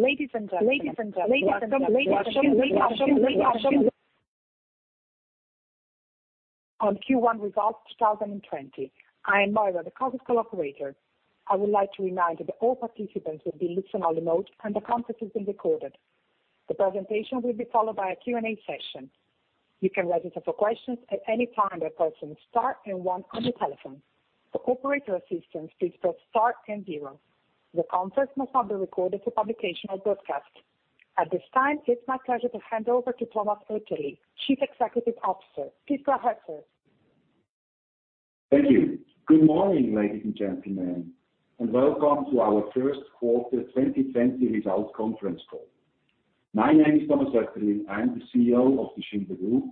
Ladies and gentlemen, welcome to the Schindler on Q1 Results 2020. I am Moira, the conference call operator. I would like to remind all participants that the listen-only mode and the conference is being recorded. The presentation will be followed by a Q&A session. You can register for questions at any time by pressing star and one on your telephone. For operator assistance, please press star and zero. The conference must not be recorded for publication or broadcast. At this time, it's my pleasure to hand over to Thomas Oetterli, Chief Executive Officer. Please go ahead, sir. Thank you. Good morning, ladies and gentlemen, welcome to our first quarter 2020 results conference call. My name is Thomas Oetterli. I'm the Chief Executive Officer of the Schindler Group,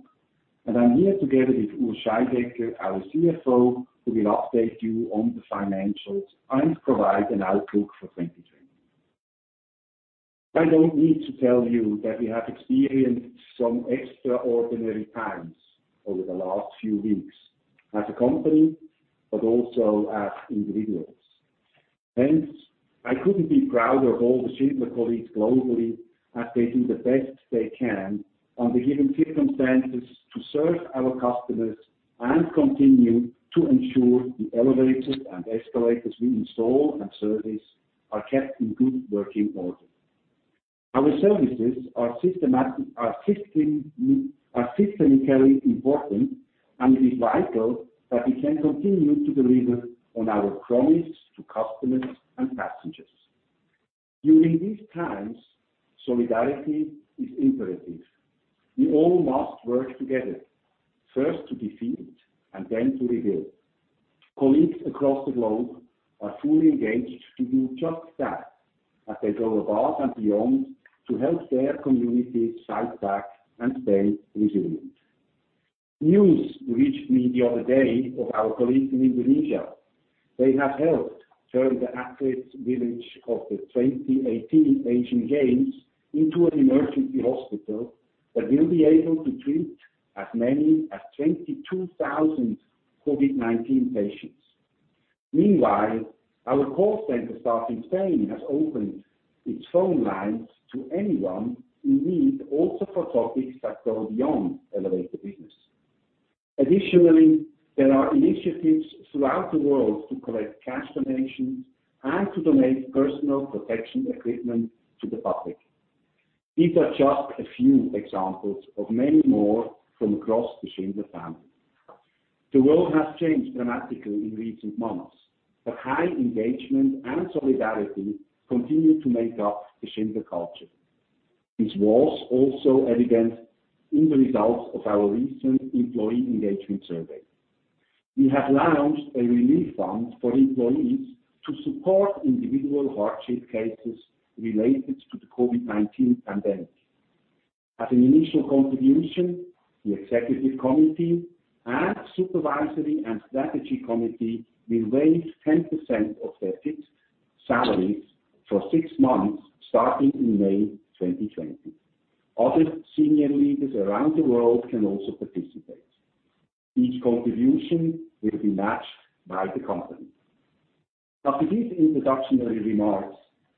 and I'm here together with Urs Scheidegger, our Chief Financial Officer, who will update you on the financials and provide an outlook for 2020. I don't need to tell you that we have experienced some extraordinary times over the last few weeks as a company, but also as individuals. Hence, I couldn't be prouder of all the Schindler colleagues globally as they do the best they can on the given circumstances to serve our customers and continue to ensure the elevators and escalators we install and service are kept in good working order. Our services are systemically important, and it is vital that we can continue to deliver on our promise to customers and passengers. During these times, solidarity is imperative. We all must work together, first to defeat and then to rebuild. Colleagues across the globe are fully engaged to do just that as they go above and beyond to help their communities fight back and stay resilient. News reached me the other day of our colleagues in Indonesia. They have helped turn the athletes' village of the 2018 Asian Games into an emergency hospital that will be able to treat as many as 22,000 COVID-19 patients. Meanwhile, our call center staff in Spain has opened its phone lines to anyone in need, also for topics that go beyond elevator business. Additionally, there are initiatives throughout the world to collect cash donations and to donate personal protection equipment to the public. These are just a few examples of many more from across the Schindler family. The world has changed dramatically in recent months, but high engagement and solidarity continue to make up the Schindler culture, which was also evident in the results of our recent employee engagement survey. We have now launched a relief fund for employees to support individual hardship cases related to the COVID-19 pandemic. As an initial contribution, the executive committee and supervisory and strategy committee will waive 10% of their fixed salaries for six months, starting in May 2020. Other senior leaders around the world can also participate. Each contribution will be matched by the company. After these introductory remarks,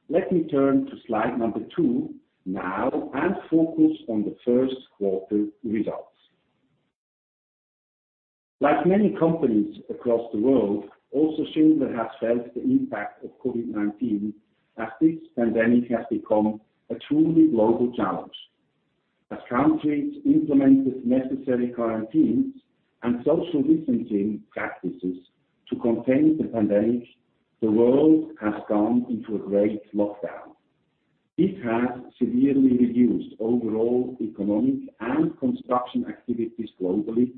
let me turn to slide number two now and focus on the first quarter results. Like many companies across the world, also Schindler has felt the impact of COVID-19 as this pandemic has become a truly global challenge. As countries implemented necessary quarantines and social distancing practices to contain the pandemic, the world has gone into a great lockdown. It has severely reduced overall economic and construction activities globally,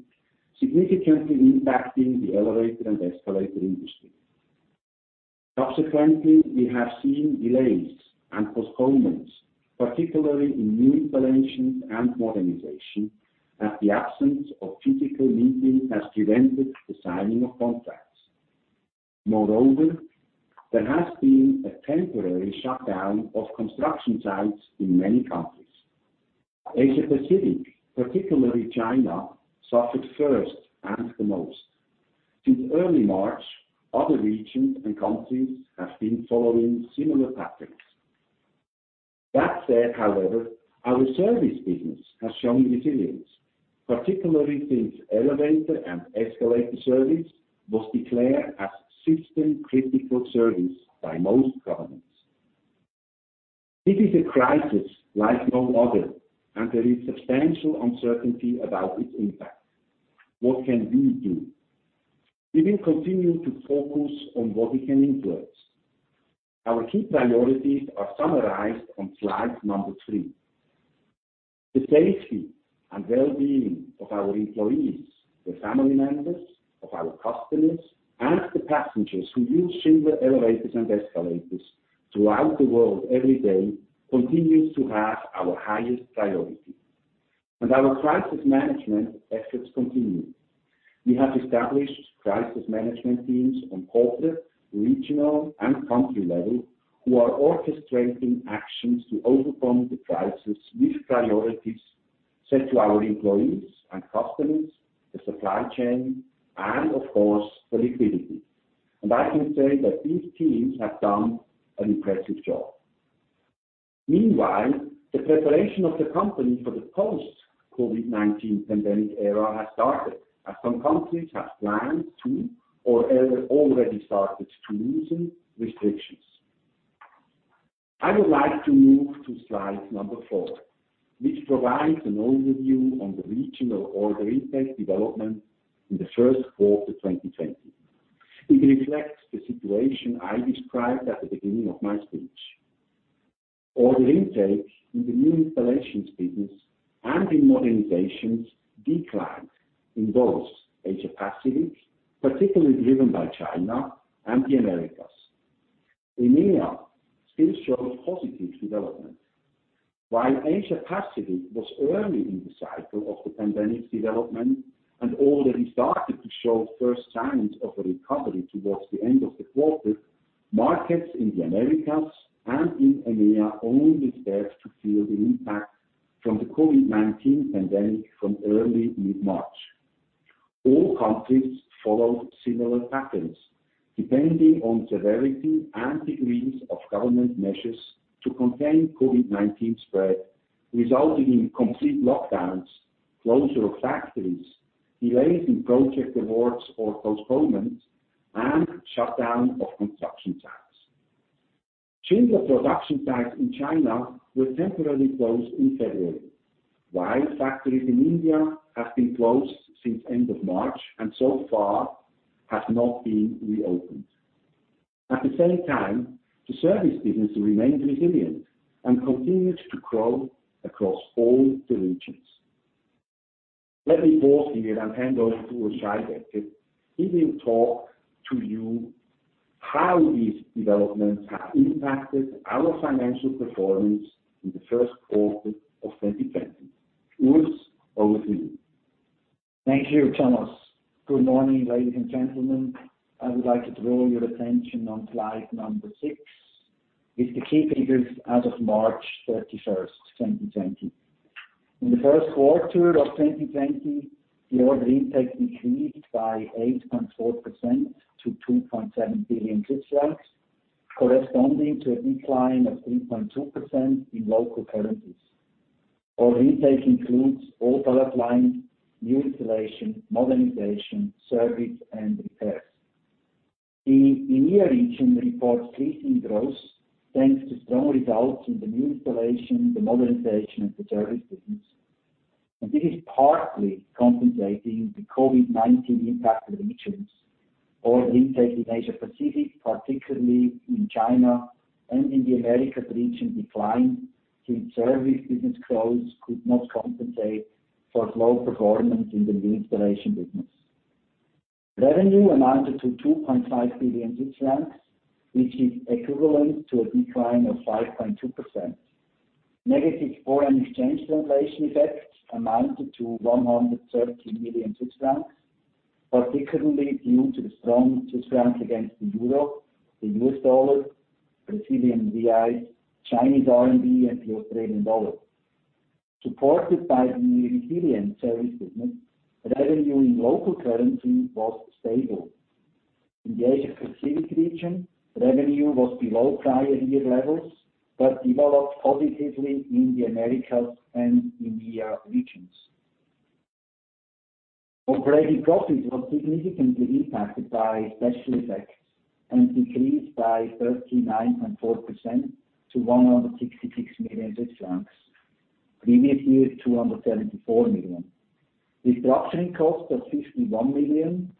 significantly impacting the elevator and escalator industry. Subsequently, we have seen delays and postponements, particularly in new installations and modernization, as the absence of physical meetings has prevented the signing of contracts. Moreover, there has been a temporary shutdown of construction sites in many countries. Asia Pacific, particularly China, suffered first and the most. Since early March, other regions and countries have been following similar patterns. That said, however, our service business has shown resilience, particularly since elevator and escalator service was declared a system-critical service by most governments. This is a crisis like no other, and there is substantial uncertainty about its impact. What can we do? We will continue to focus on what we can influence. Our key priorities are summarized on slide number three. The safety and well-being of our employees, the family members of our customers, and the passengers who use Schindler elevators and escalators throughout the world every day continues to have our highest priority. Our crisis management efforts continue. We have established crisis management teams on corporate, regional, and country level who are orchestrating actions to overcome the crisis with priorities set to our employees and customers, the supply chain, and of course, the liquidity. I can say that these teams have done an impressive job. Meanwhile, the preparation of the company for the post-COVID-19 pandemic era has started, as some countries have planned to or have already started to loosen restrictions. I would like to move to slide number four, which provides an overview on the regional order intake development in the first quarter of 2020. It reflects the situation I described at the beginning of my speech. Order intake in the new installations business and in modernizations declined in both Asia Pacific, particularly driven by China, and the Americas. EMEA still showed positive development. While Asia Pacific was early in the cycle of the pandemic development and already started to show first signs of a recovery towards the end of the quarter, markets in the Americas and in EMEA only start to feel the impact from the COVID-19 pandemic from early mid-March. All countries followed similar patterns, depending on severity and degrees of government measures to contain COVID-19 spread, resulting in complete lockdowns, closure of factories, delays in project awards or postponements, and shutdown of construction sites. Schindler production sites in China were temporarily closed in February, while factories in India have been closed since end of March and so far have not been reopened. At the same time, the service business remained resilient and continued to grow across all the regions. Let me pause here and hand over to Urs Scheidegger. He will talk to you how these developments have impacted our financial performance in the first quarter of 2020. Urs, over to you. Thank you, Thomas. Good morning, ladies and gentlemen. I would like to draw your attention on slide number six, with the key figures as of March 31st, 2020. In the first quarter of 2020, the order intake decreased by 8.4% to 2.7 billion, corresponding to a decline of 3.2% in local currencies. Order intake includes all product lines, new installations, modernization, service, and repairs. The EMEA region reports decent growth, thanks to strong results in the new installations, the modernization of the service business. This is partly compensating the COVID-19 impact of the regions. Order intake in Asia Pacific, particularly in China and in the Americas region declined since service business growth could not compensate for low performance in the new installation business. Revenue amounted to 2.5 billion, which is equivalent to a decline of 5.2%. Negative foreign exchange translation effect amounted to 130 million francs, particularly due to the strong Swiss francs against the euro, the US dollar, Brazilian reais, Chinese RMB, and the Australian dollar. Supported by the resilient service business, revenue in local currency was stable. In the Asia Pacific region, revenue was below prior year levels, but developed positively in the Americas and EMEA regions. Operating profit was significantly impacted by special effects and decreased by 39.4% to 166 million Swiss francs. Previous year, 274 million. Restructuring costs of 51 million,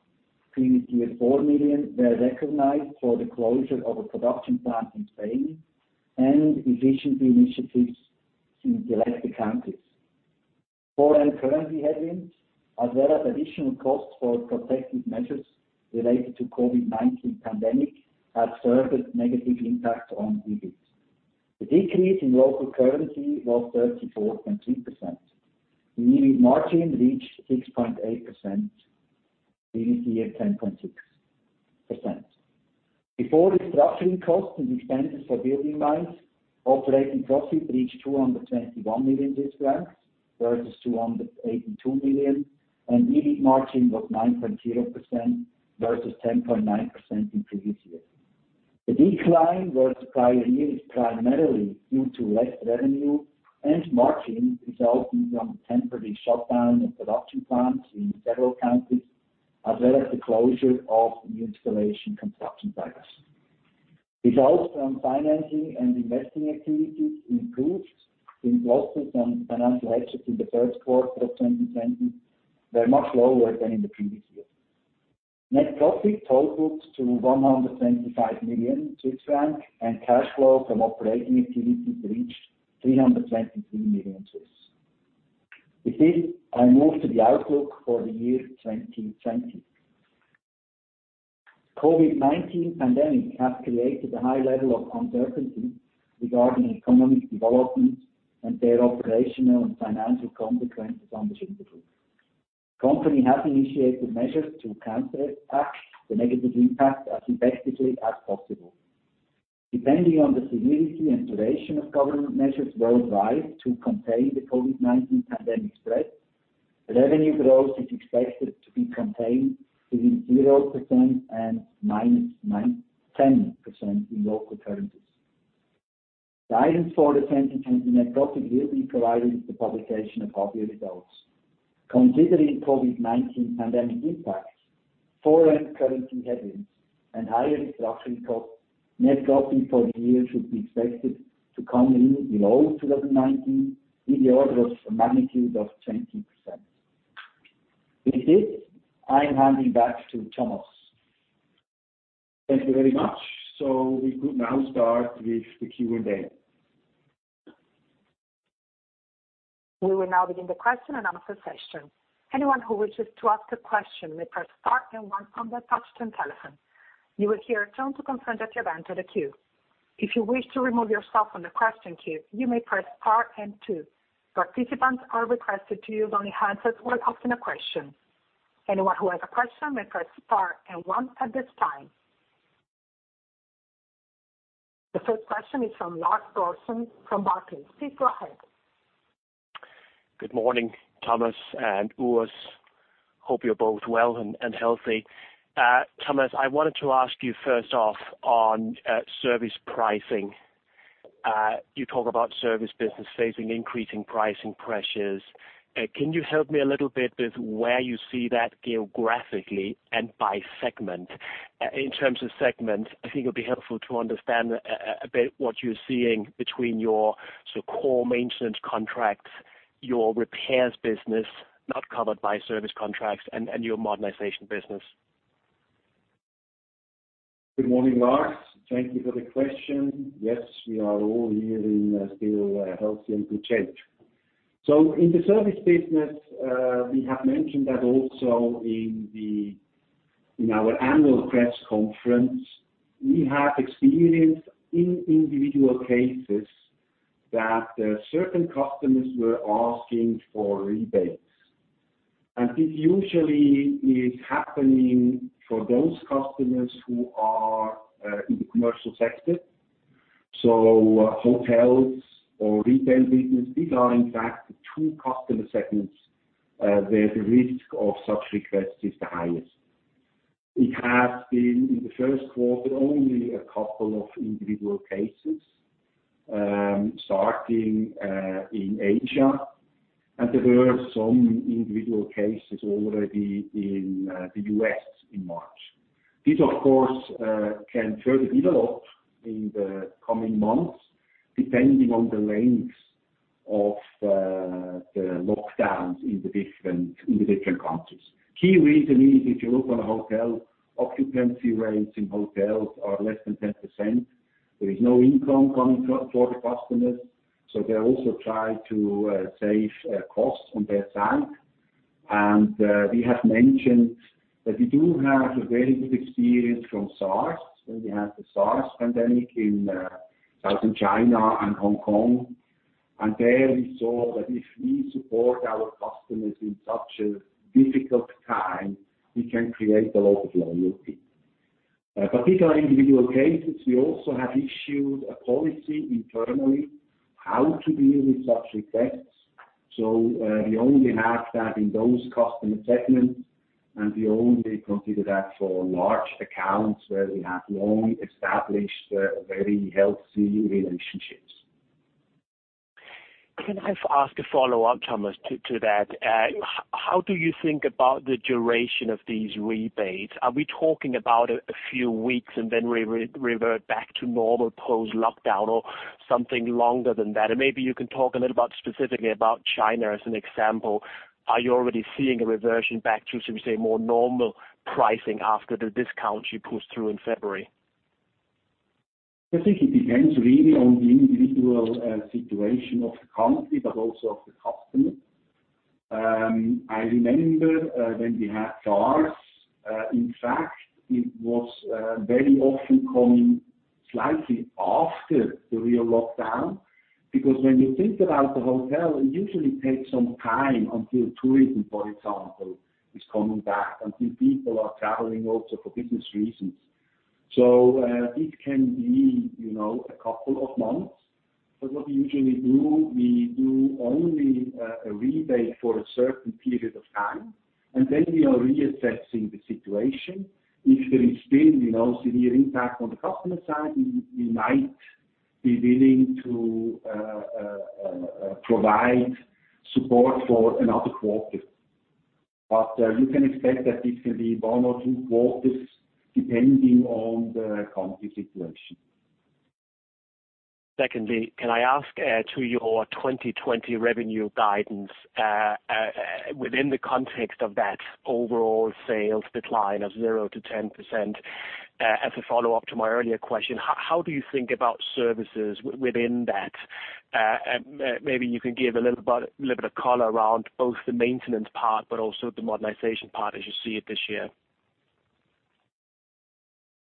previous year 4 million, were recognized for the closure of a production plant in Spain and efficiency initiatives in selected countries. Foreign currency headwinds, as well as additional costs for protective measures related to COVID-19 pandemic, had further negative impact on EBITDA. The decrease in local currency was 34.3%. The EBITDA margin reached 6.8%, previous year 10.6%. Before restructuring costs and expenses for giving guidance, operating profit reached 221 million, versus 282 million, and EBITDA margin was 9.0% versus 10.9% in previous year. The decline versus prior year is primarily due to less revenue and margin resulting from temporary shutdown of production plants in several countries, as well as the closure of new installations construction sites. Results from financing and investing activities improved since losses on financial hedges in the first quarter of 2020 were much lower than in the previous year. Net profit totaled to 125 million Swiss franc, and cash flow from operating activities reached 323 million. With this, I move to the outlook for the year 2020. COVID-19 pandemic has created a high level of uncertainty regarding economic developments and their operational and financial consequences on the Schindler Group. The company has initiated measures to counteract the negative impact as effectively as possible. Depending on the severity and duration of government measures worldwide to contain the COVID-19 pandemic spread, revenue growth is expected to be contained between 0% and -10% in local currencies. Guidance for 2020 net profit will be provided with the publication of our results. Considering COVID-19 pandemic impacts, foreign currency headwinds, and higher structuring costs, net profit for the year should be expected to come in below 2019 in the order of magnitude of 20%. With this, I'm handing back to Thomas. Thank you very much. We could now start with the Q&A. We will now begin the question and answer session. Anyone who wishes to ask a question may press star and one on their touch-tone telephone. You will hear a tone to confirm that you have entered a queue. If you wish to remove yourself from the question queue, you may press star and two. Participants are requested to use only handsets when asking a question. Anyone who has a question may press star and one at this time. The first question is from Lars Brorson from Barclays. Please go ahead. Good morning, Thomas and Urs. Hope you're both well and healthy. Thomas, I wanted to ask you first off on service pricing. You talk about service business facing increasing pricing pressures. Can you help me a little bit with where you see that geographically and by segment? In terms of segment, I think it'll be helpful to understand a bit what you're seeing between your core maintenance contracts, your repairs business not covered by service contracts, and your modernization business. Good morning, Lars. Thank you for the question. Yes, we are all here in still healthy and good shape. In the service business, we have mentioned that also in our annual press conference, we have experienced in individual cases that certain customers were asking for rebates. This usually is happening for those customers who are in the commercial sector. Hotels or retail business, these are in fact the two customer segments where the risk of such requests is the highest. It has been in the first quarter, only a couple of individual cases, starting in Asia. There were some individual cases already in the U.S. in March. This, of course, can further develop in the coming months depending on the lengths of the lockdowns in the different countries. Key reason is if you look on a hotel, occupancy rates in hotels are less than 10%. There is no income coming for the customers. They also try to save costs on their side. We have mentioned that we do have a very good experience from SARS, when we had the SARS pandemic in Southern China and Hong Kong. There we saw that if we support our customers in such a difficult time, we can create a lot of loyalty. These are individual cases. We also have issued a policy internally how to deal with such requests. We only have that in those customer segments, and we only consider that for large accounts where we have long-established a very healthy relationships. Can I ask a follow-up, Thomas, to that? How do you think about the duration of these rebates? Are we talking about a few weeks and then revert back to normal post-lockdown or something longer than that? Maybe you can talk a little about specifically about China as an example. Are you already seeing a reversion back to, should we say, more normal pricing after the discounts you pushed through in February? I think it depends really on the individual situation of the country, but also of the customer. I remember when we had SARS, in fact, it was very often coming slightly after the real lockdown because when you think about the hotel, it usually takes some time until tourism, for example, is coming back, until people are traveling also for business reasons. It can be a couple of months. What we usually do, we do only a rebate for a certain period of time, and then we are reassessing the situation. If there is still severe impact on the customer side, we might be willing to provide support for another quarter. You can expect that this will be one or two quarters depending on the country situation. Can I ask to your 2020 revenue guidance, within the context of that overall sales decline of 0-10%, as a follow-up to my earlier question, how do you think about services within that? Maybe you can give a little bit of color around both the maintenance part but also the modernization part as you see it this year.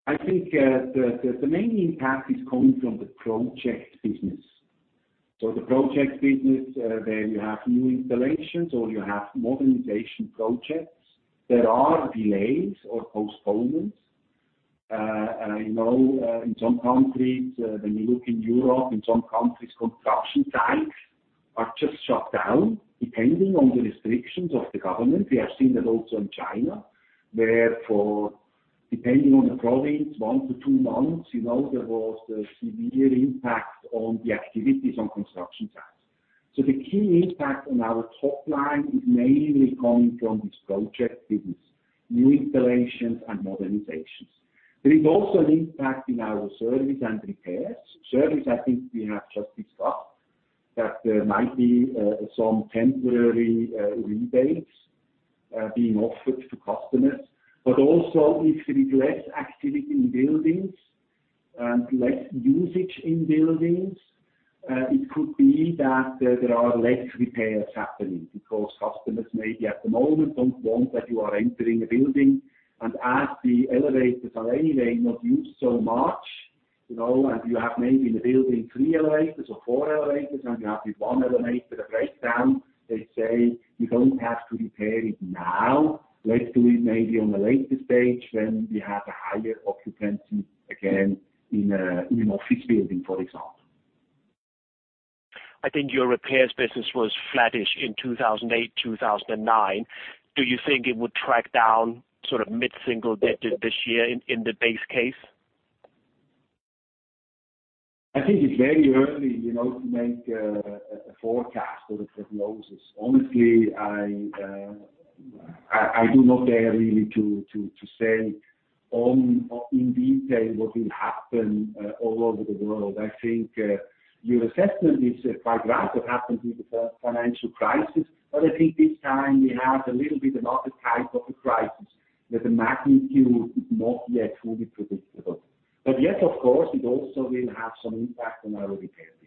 I think the main impact is coming from the project business. The projects business, there you have New Installations, or you have Modernization projects. There are delays or postponements. I know in some countries, when you look in Europe, in some countries, construction sites are just shut down depending on the restrictions of the government. We have seen that also in China, where for, depending on the province, one to two months, there was a severe impact on the activities on construction sites. The key impact on our top line is mainly coming from this project business, New Installations and Modernizations. There is also an impact in our Service and repairs. Service, I think we have just discussed, that there might be some temporary rebates being offered to customers. Also if there is less activity in buildings and less usage in buildings, it could be that there are less repairs happening because customers maybe at the moment don't want that you are entering a building, and as the elevators are anyway not used so much, and you have maybe in the building three elevators or four elevators, and you have one elevator that breaks down, they say, "You don't have to repair it now. Let's do it maybe on a later stage when we have a higher occupancy again in an office building," for example. I think your repairs business was flattish in 2008, 2009. Do you think it would track down sort of mid-single digit this year in the base case? I think it's very early to make a forecast or a prognosis. Honestly, I do not dare really to say in detail what will happen all over the world. I think your assessment is quite right what happened in the financial crisis. I think this time we have a little bit another type of a crisis that the magnitude is not yet fully predictable. Yes, of course, it also will have some impact on our repair business.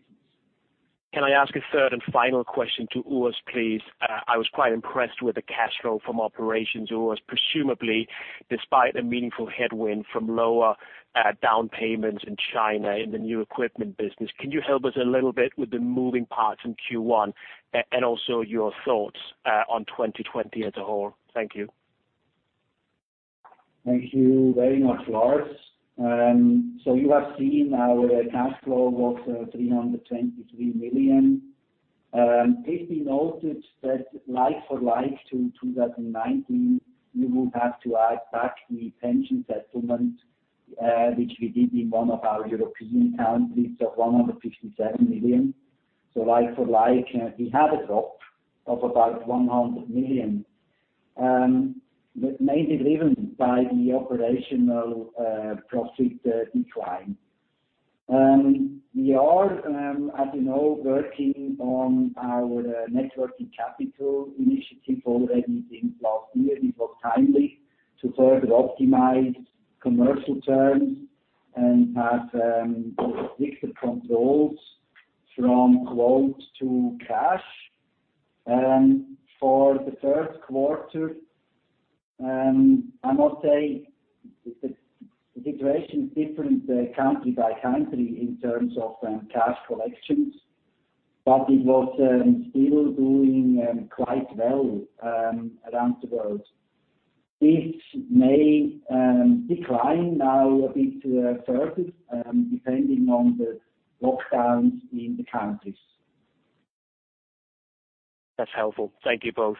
Can I ask a third and final question to Urs, please? I was quite impressed with the cash flow from operations, Urs. Presumably, despite a meaningful headwind from lower down payments in China in the new equipment business, can you help us a little bit with the moving parts in Q1? Also your thoughts on 2020 as a whole. Thank you. Thank you very much, Lars. You have seen our cash flow was 323 million. Please be noted that like for like to 2019, you would have to add back the pension settlement, which we did in one of our European countries of 157 million. Like for like, we had a drop of about 100 million, mainly driven by the operational profit decline. We are, as you know, working on our net working capital initiative already since last year. It was timely to further optimize commercial terms and have stricter controls from quote to cash. For the first quarter, I must say the situation is different country by country in terms of cash collections, it was still doing quite well around the world. This may decline now a bit further, depending on the lockdowns in the countries. That's helpful. Thank you both.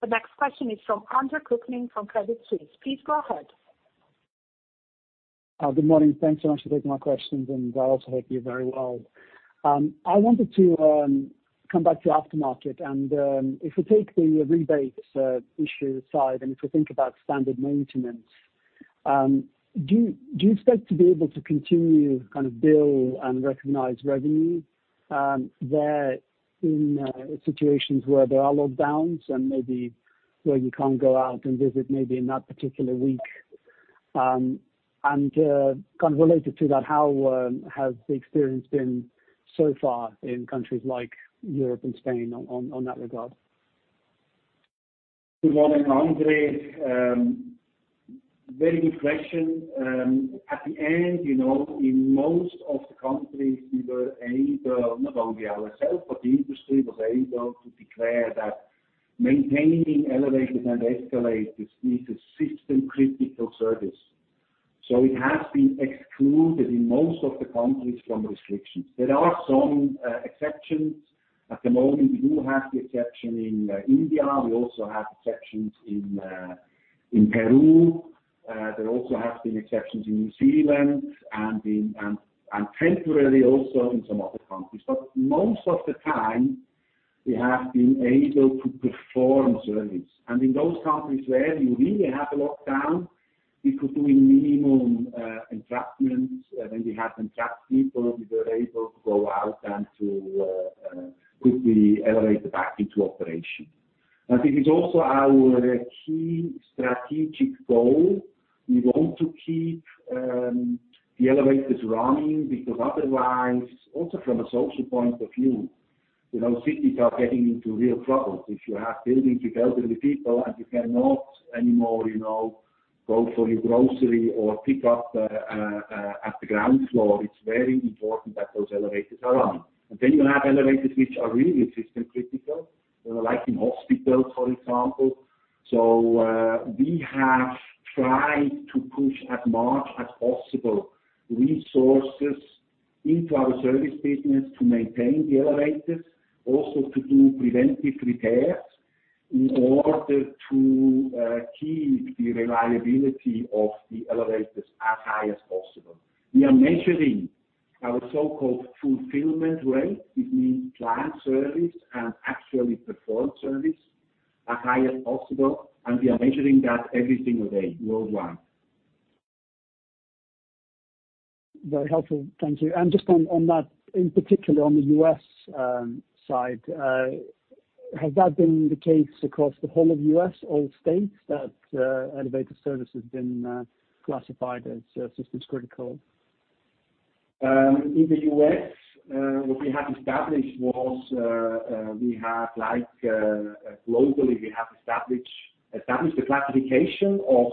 The next question is from Andre Kukhnin from Credit Suisse. Please go ahead. Good morning. Thanks so much for taking my questions, and I also hope you're very well. I wanted to come back to aftermarket, and if we take the rebates issue aside, and if we think about standard maintenance, do you expect to be able to continue to bill and recognize revenue there in situations where there are lockdowns and maybe where you can't go out and visit maybe in that particular week? Related to that, how has the experience been so far in countries like Europe and Spain on that regard? Good morning, Andre Kukhnin. Very good question. At the end, in most of the countries, we were able, not only ourselves, but the industry was able to declare that maintaining elevators and escalators is a system-critical service. It has been excluded in most of the countries from restrictions. There are some exceptions. At the moment, we do have the exception in India. We also have exceptions in Peru. There also have been exceptions in New Zealand, and temporarily also in some other countries. Most of the time, we have been able to perform service. In those countries where you really have a lockdown, we could do a minimum entrapment. When we have entrapped people, we were able to go out and to put the elevator back into operation. I think it's also our key strategic goal. We want to keep the elevators running because otherwise, also from a social point of view. Cities are getting into real troubles. If you have buildings with elderly people, and you cannot anymore go for your grocery or pick up at the ground floor, it's very important that those elevators are on. You have elevators which are really system critical, like in hospitals, for example. We have tried to push as much as possible resources into our service business to maintain the elevators, also to do preventive repairs in order to keep the reliability of the elevators as high as possible. We are measuring our so-called fulfillment rate. It means planned service and actually performed service are high as possible, and we are measuring that every single day worldwide. Very helpful. Thank you. Just on that, in particular on the U.S. side, has that been the case across the whole of U.S., all states, that elevator service has been classified as system critical? In the U.S., what we have established was, globally, we have established the classification of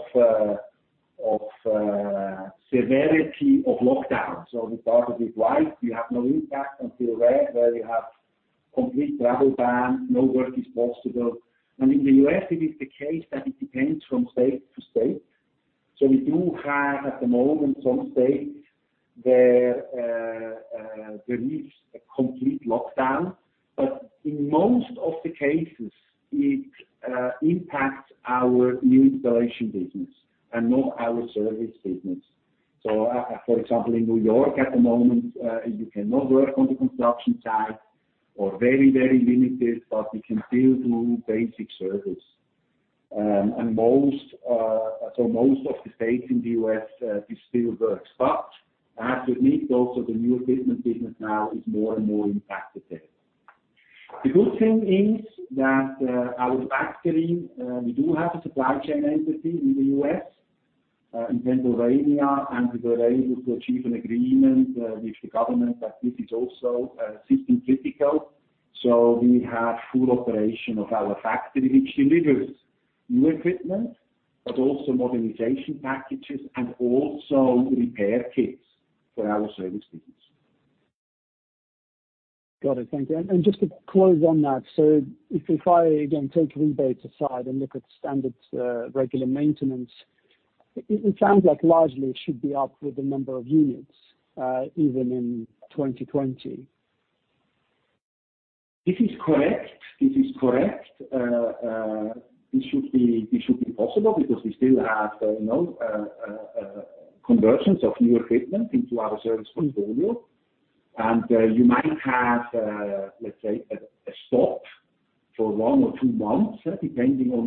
severity of lockdown. We started with white, you have no impact, until red, where you have complete travel ban, no work is possible. In the U.S., it is the case that it depends from state to state. We do have, at the moment, some states where there is a complete lockdown. In most of the cases, it impacts our new installation business and not our service business. For example, in New York at the moment, you cannot work on the construction site or very limited, but we can still do basic service. Most of the states in the U.S., this still works. I have to admit, also the new equipment business now is more and more impacted there. The good thing is that our factory, we do have a supply chain entity in the U.S., in Pennsylvania, and we were able to achieve an agreement with the government that this is also system critical. We have full operation of our factory, which delivers new equipment, but also modernization packages and also repair kits for our service business. Got it. Thank you. Just to close on that, if I, again, take rebates aside and look at standard regular maintenance, it sounds like largely it should be up with the number of units, even in 2020. This is correct. This should be possible because we still have conversions of new equipment into our service portfolio. You might have, let's say, a stop for one or two months, depending on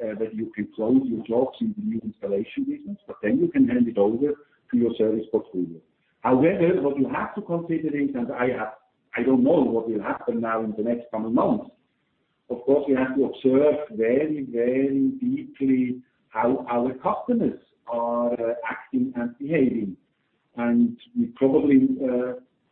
whether you can close your jobs in the new installations business, but then you can hand it over to your service portfolio. However, what you have to consider is, and I don't know what will happen now in the next coming months. Of course, we have to observe very deeply how our customers are acting and behaving. We probably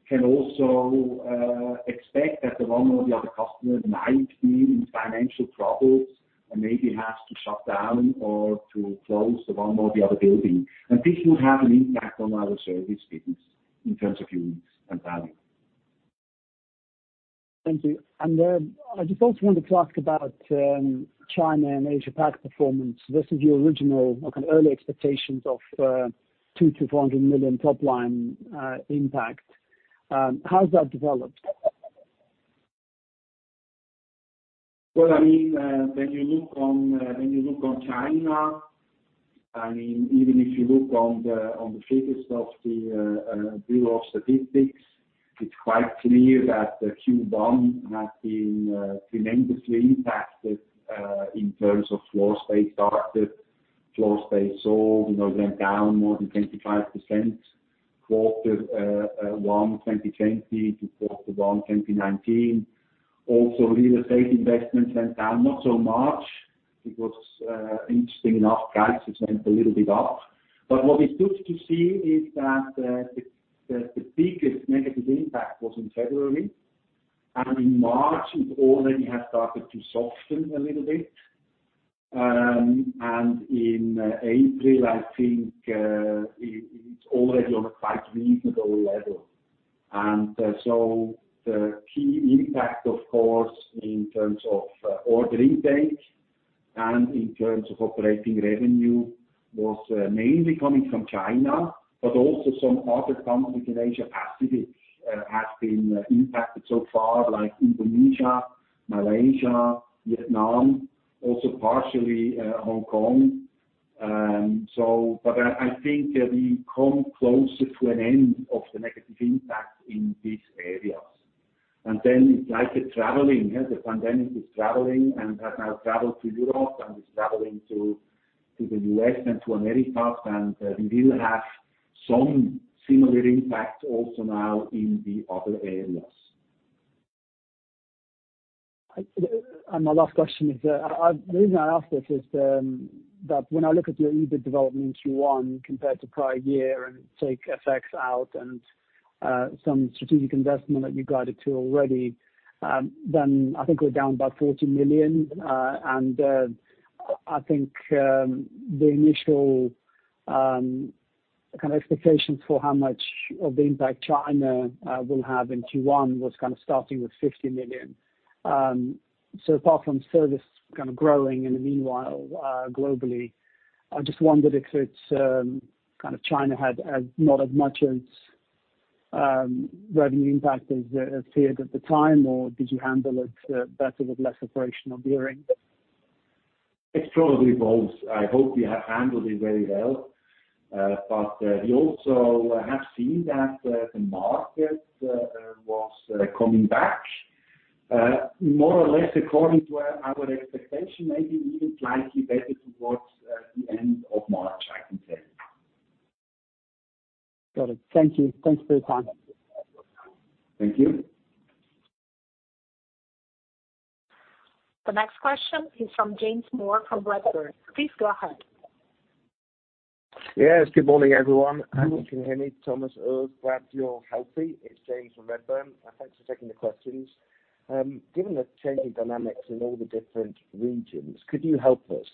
can also expect that the one or the other customer might be in financial troubles and maybe has to shut down or to close the one or the other building. This will have an impact on our service business in terms of units and value. Thank you. I just also want to talk about China and Asia-Pac performance versus your original early expectations of 2 million-400 million top line impact. How has that developed? When you look on China, even if you look on the figures of the Bureau of Statistics, it's quite clear that the Q1 has been tremendously impacted in terms of floor space started. Floor space sold went down more than 25% Quarter 1 2020 to Quarter 1 2019. Real estate investments went down, not so much because, interestingly enough, prices went a little bit up. What is good to see is that the biggest negative impact was in February, and in March, it already has started to soften a little bit. In April, I think it's already on a quite reasonable level. The key impact, of course, in terms of order intake and in terms of operating revenue was mainly coming from China, but also some other countries in Asia-Pacific have been impacted so far, like Indonesia, Malaysia, Vietnam, also partially Hong Kong. I think we come closer to an end of the negative impact in these areas. Then it's like a traveling. The pandemic is traveling and has now traveled to Europe and is traveling to the U.S. and to Americas, and we will have some similar impact also now in the other areas. My last question is, the reason I ask this is that when I look at your EBITDA development in Q1 compared to prior year and take FX out and some strategic investment that you guided to already, then I think we're down about 40 million. I think the initial kind of expectations for how much of the impact China will have in Q1 was kind of starting with 50 million. Apart from service kind of growing in the meanwhile globally, I just wondered if it's kind of China had not as much of revenue impact as feared at the time, or did you handle it better with less operational gearing? It's probably both. I hope we have handled it very well. We also have seen that the market was coming back, more or less according to our expectation, maybe even slightly better towards the end of March, I can say. Got it. Thank you. Thanks for your time. Thank you. The next question is from James Moore from Redburn. Please go ahead. Yes, good morning, everyone. I hope you can hear me, Thomas, or perhaps you're healthy. It's James from Redburn. Thanks for taking the questions. Given the changing dynamics in all the different regions, could you help us,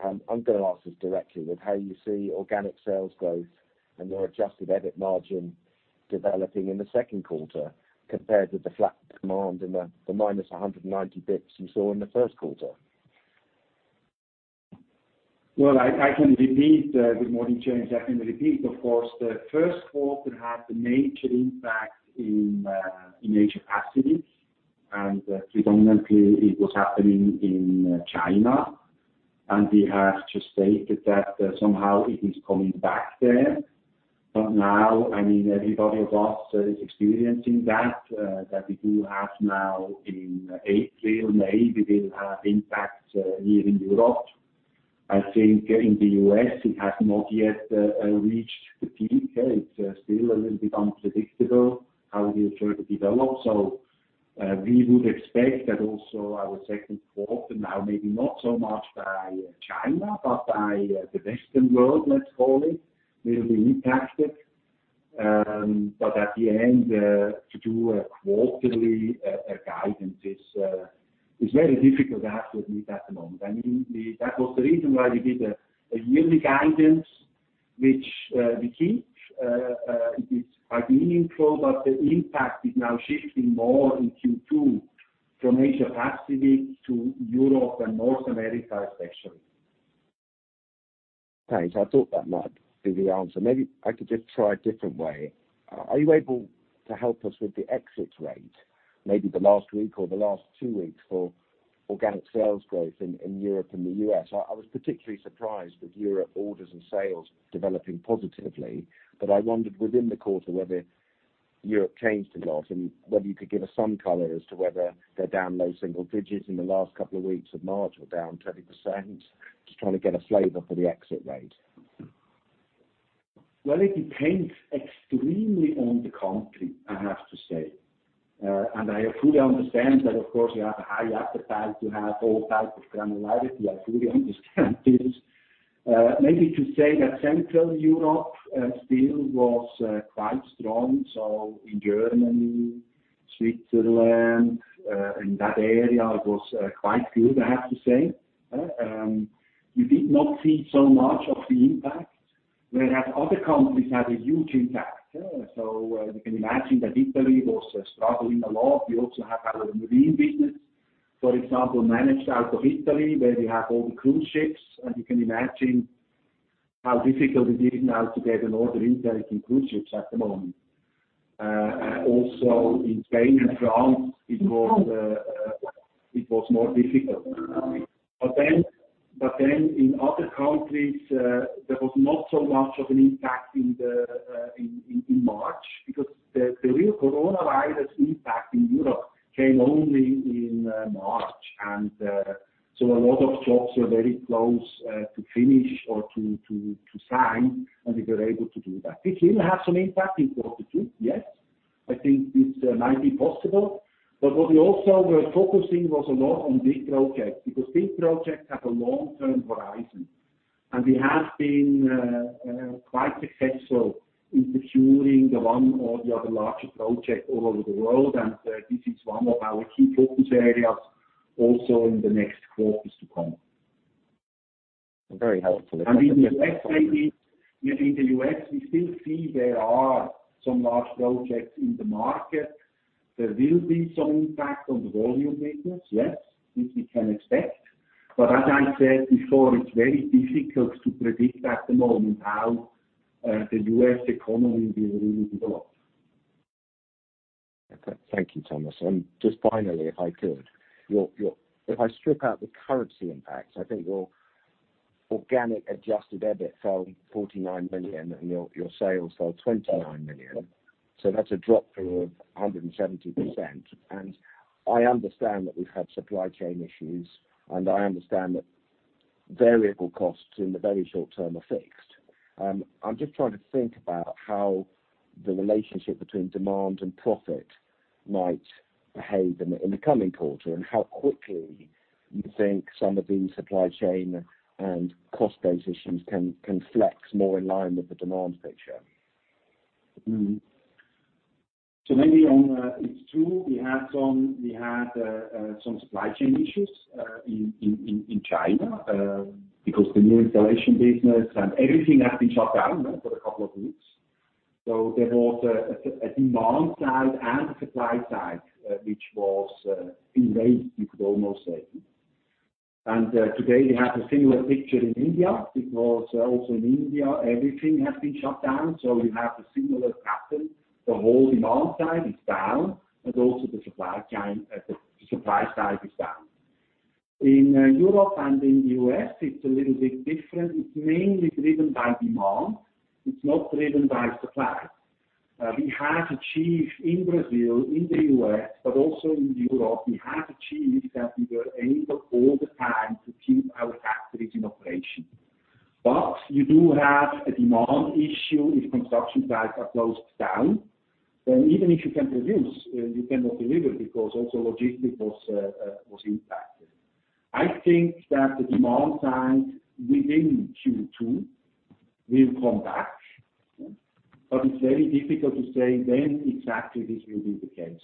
I'm going to ask this directly, with how you see organic sales growth and your adjusted EBITDA margin developing in the second quarter compared with the flat demand and the -190 basis points you saw in the first quarter? Well, I can repeat. Good morning, James. I can repeat, of course. The first quarter had the major impact in Asia Pacific, and predominantly it was happening in China. We have just stated that somehow it is coming back there. Now, I mean, everybody of us is experiencing that we do have now in April. Maybe we'll have impact here in Europe. I think in the U.S., it has not yet reached the peak. It's still a little bit unpredictable how it will further develop. We would expect that also our second quarter now, maybe not so much by China, but by the Western world, let's call it, will be impacted. At the end, to do a quarterly guidance is very difficult absolutely at the moment. I mean, that was the reason why we did a yearly guidance, which we keep. It is quite meaningful, the impact is now shifting more in Q2 from Asia Pacific to Europe and North America especially. Thanks. I thought that might be the answer. Maybe I could just try a different way. Are you able to help us with the exit rate, maybe the last week or the last two weeks for organic sales growth in Europe and the U.S.? I wondered within the quarter whether Europe changed a lot, and whether you could give us some color as to whether they're down low single digits in the last couple of weeks of March or down 20%, just trying to get a flavor for the exit rate. Well, it depends extremely on the country, I have to say. I fully understand that, of course, you have a high appetite to have all types of granularity. I fully understand this. Maybe to say that Central Europe still was quite strong. In Germany, Switzerland, in that area, it was quite good, I have to say. We did not see so much of the impact. Whereas other countries had a huge impact. You can imagine that Italy was struggling a lot. We also have our marine business, for example, managed out of Italy, where we have all the cruise ships, and you can imagine how difficult it is now to get an order intake in cruise ships at the moment. Also in Spain and France, it was more difficult. In other countries, there was not so much of an impact in March, because the real coronavirus impact in Europe came only in March. A lot of jobs were very close to finish or to sign, and we were able to do that. It will have some impact in quarter two, yes. I think it might be possible. What we also were focusing was a lot on big projects, because big projects have a long-term horizon, and we have been quite successful in securing the one or the other larger project all over the world, and this is one of our key focus areas also in the next quarters to come. Very helpful. Thank you. In the U.S., we still see there are some large projects in the market. There will be some impact on the volume business, yes, which we can expect. As I said before, it's very difficult to predict at the moment how the U.S. economy will really develop. Thank you, Thomas. Just finally, if I could, if I strip out the currency impact, I think your organic adjusted EBIT fell to 49 million and your sales fell 29 million, so that's a drop of 170%. I understand that we've had supply chain issues, and I understand that variable costs in the very short term are fixed. I'm just trying to think about how the relationship between demand and profit might behave in the coming quarter, and how quickly you think some of these supply chain and cost base issues can flex more in line with the demand picture. It's true, we had some supply chain issues in China, because the new installations business and everything has been shut down for a couple of weeks. There was a demand side and supply side which was delayed, you could almost say. Today we have a similar picture in India, because also in India, everything has been shut down. We have a similar pattern. The whole demand side is down and also the supply side is down. In Europe and in the U.S., it's a little bit different. It's mainly driven by demand. It's not driven by supply. We had achieved in Brazil, in the U.S., but also in Europe, we had achieved that we were able all the time to keep our factories in operation. You do have a demand issue if construction sites are closed down, even if you can produce, you cannot deliver because also logistics was impacted. I think that the demand side within Q2 will come back. It's very difficult to say when exactly this will be the case.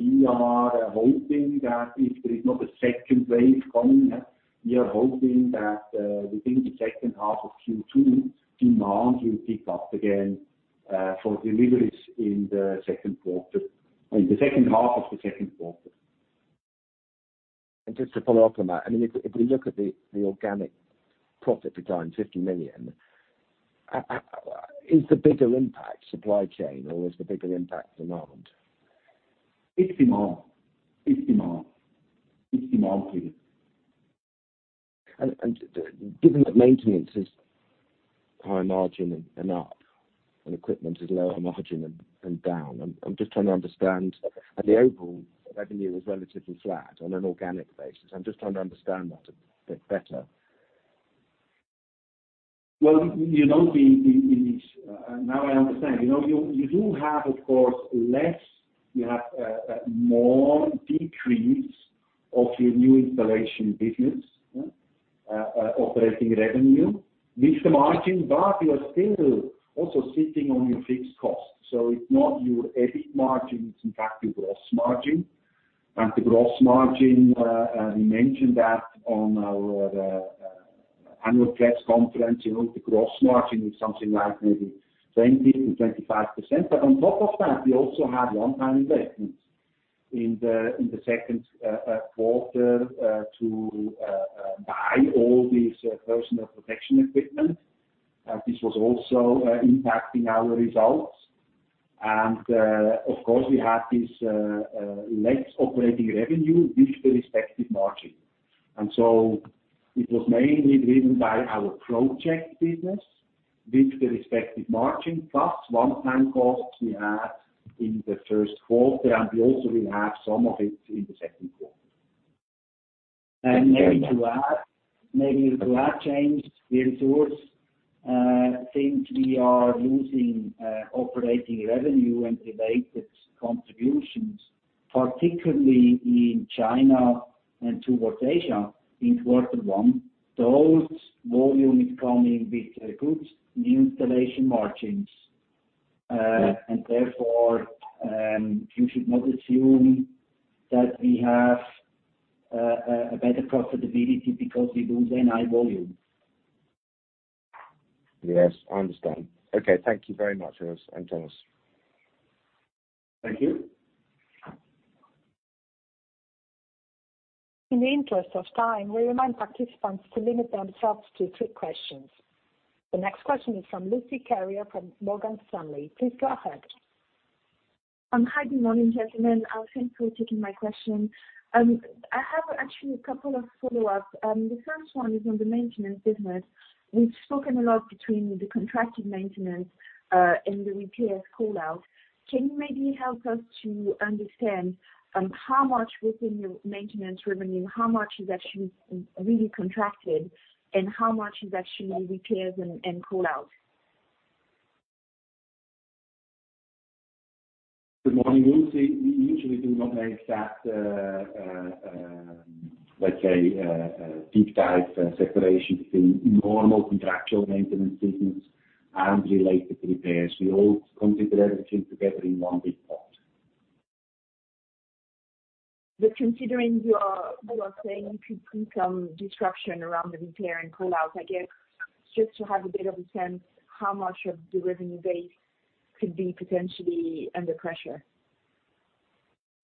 We are hoping that if there is not a second wave coming, we are hoping that within the second half of Q2, demand will pick up again, for deliveries in the second half of the second quarter. Just to follow up on that, if we look at the organic profit decline, 50 million. Is the bigger impact supply chain or is the bigger impact demand? It's demand. It's demand. It's demand, please. Given that maintenance is high margin and up and equipment is lower margin and down, I am just trying to understand that a bit better. The overall revenue is relatively flat on an organic basis. Well, now I understand. You do have, of course, You have more decrease of your new installations business operating revenue with the margin, but you are still also sitting on your fixed cost. It's not your EBITDA margin, it's in fact your gross margin. The gross margin, we mentioned that on our annual press conference, the gross margin is something like maybe 20%-25%. On top of that, we also had one-time investments in the second quarter to buy all this personal protection equipment. This was also impacting our results. Of course, we had this less operating revenue with the respective margin. It was mainly driven by our project business with the respective margin, plus one-time costs we had in the first quarter, and we also will have some of it in the second quarter. Very much. Maybe to add, James, this is Urs think we are losing operating revenue and related contributions, particularly in China and towards Asia in quarter one. That volume is coming with good new installation margins. Therefore, you should not assume that we have a better profitability because we lose in high volume. Yes, I understand. Okay, thank you very much, Urs and Thomas. Thank you. In the interest of time, we remind participants to limit themselves to two questions. The next question is from Lucie Carrier from Morgan Stanley. Please go ahead. Hi, good morning, gentlemen. Thanks for taking my question. I have actually a couple of follow-ups. The first one is on the maintenance business. We've spoken a lot between the contracted maintenance and the repairs call-out. Can you maybe help us to understand how much within your maintenance revenue, how much is actually really contracted and how much is actually repairs and call-out? Good morning, Lucie. We usually do not make that, let's say, deep dive separation between normal contractual maintenance business and related repairs. We all consider everything together in one big pot. Considering you are saying you could see some disruption around the repair and call-outs, I guess just to have a bit of a sense, how much of the revenue base could be potentially under pressure?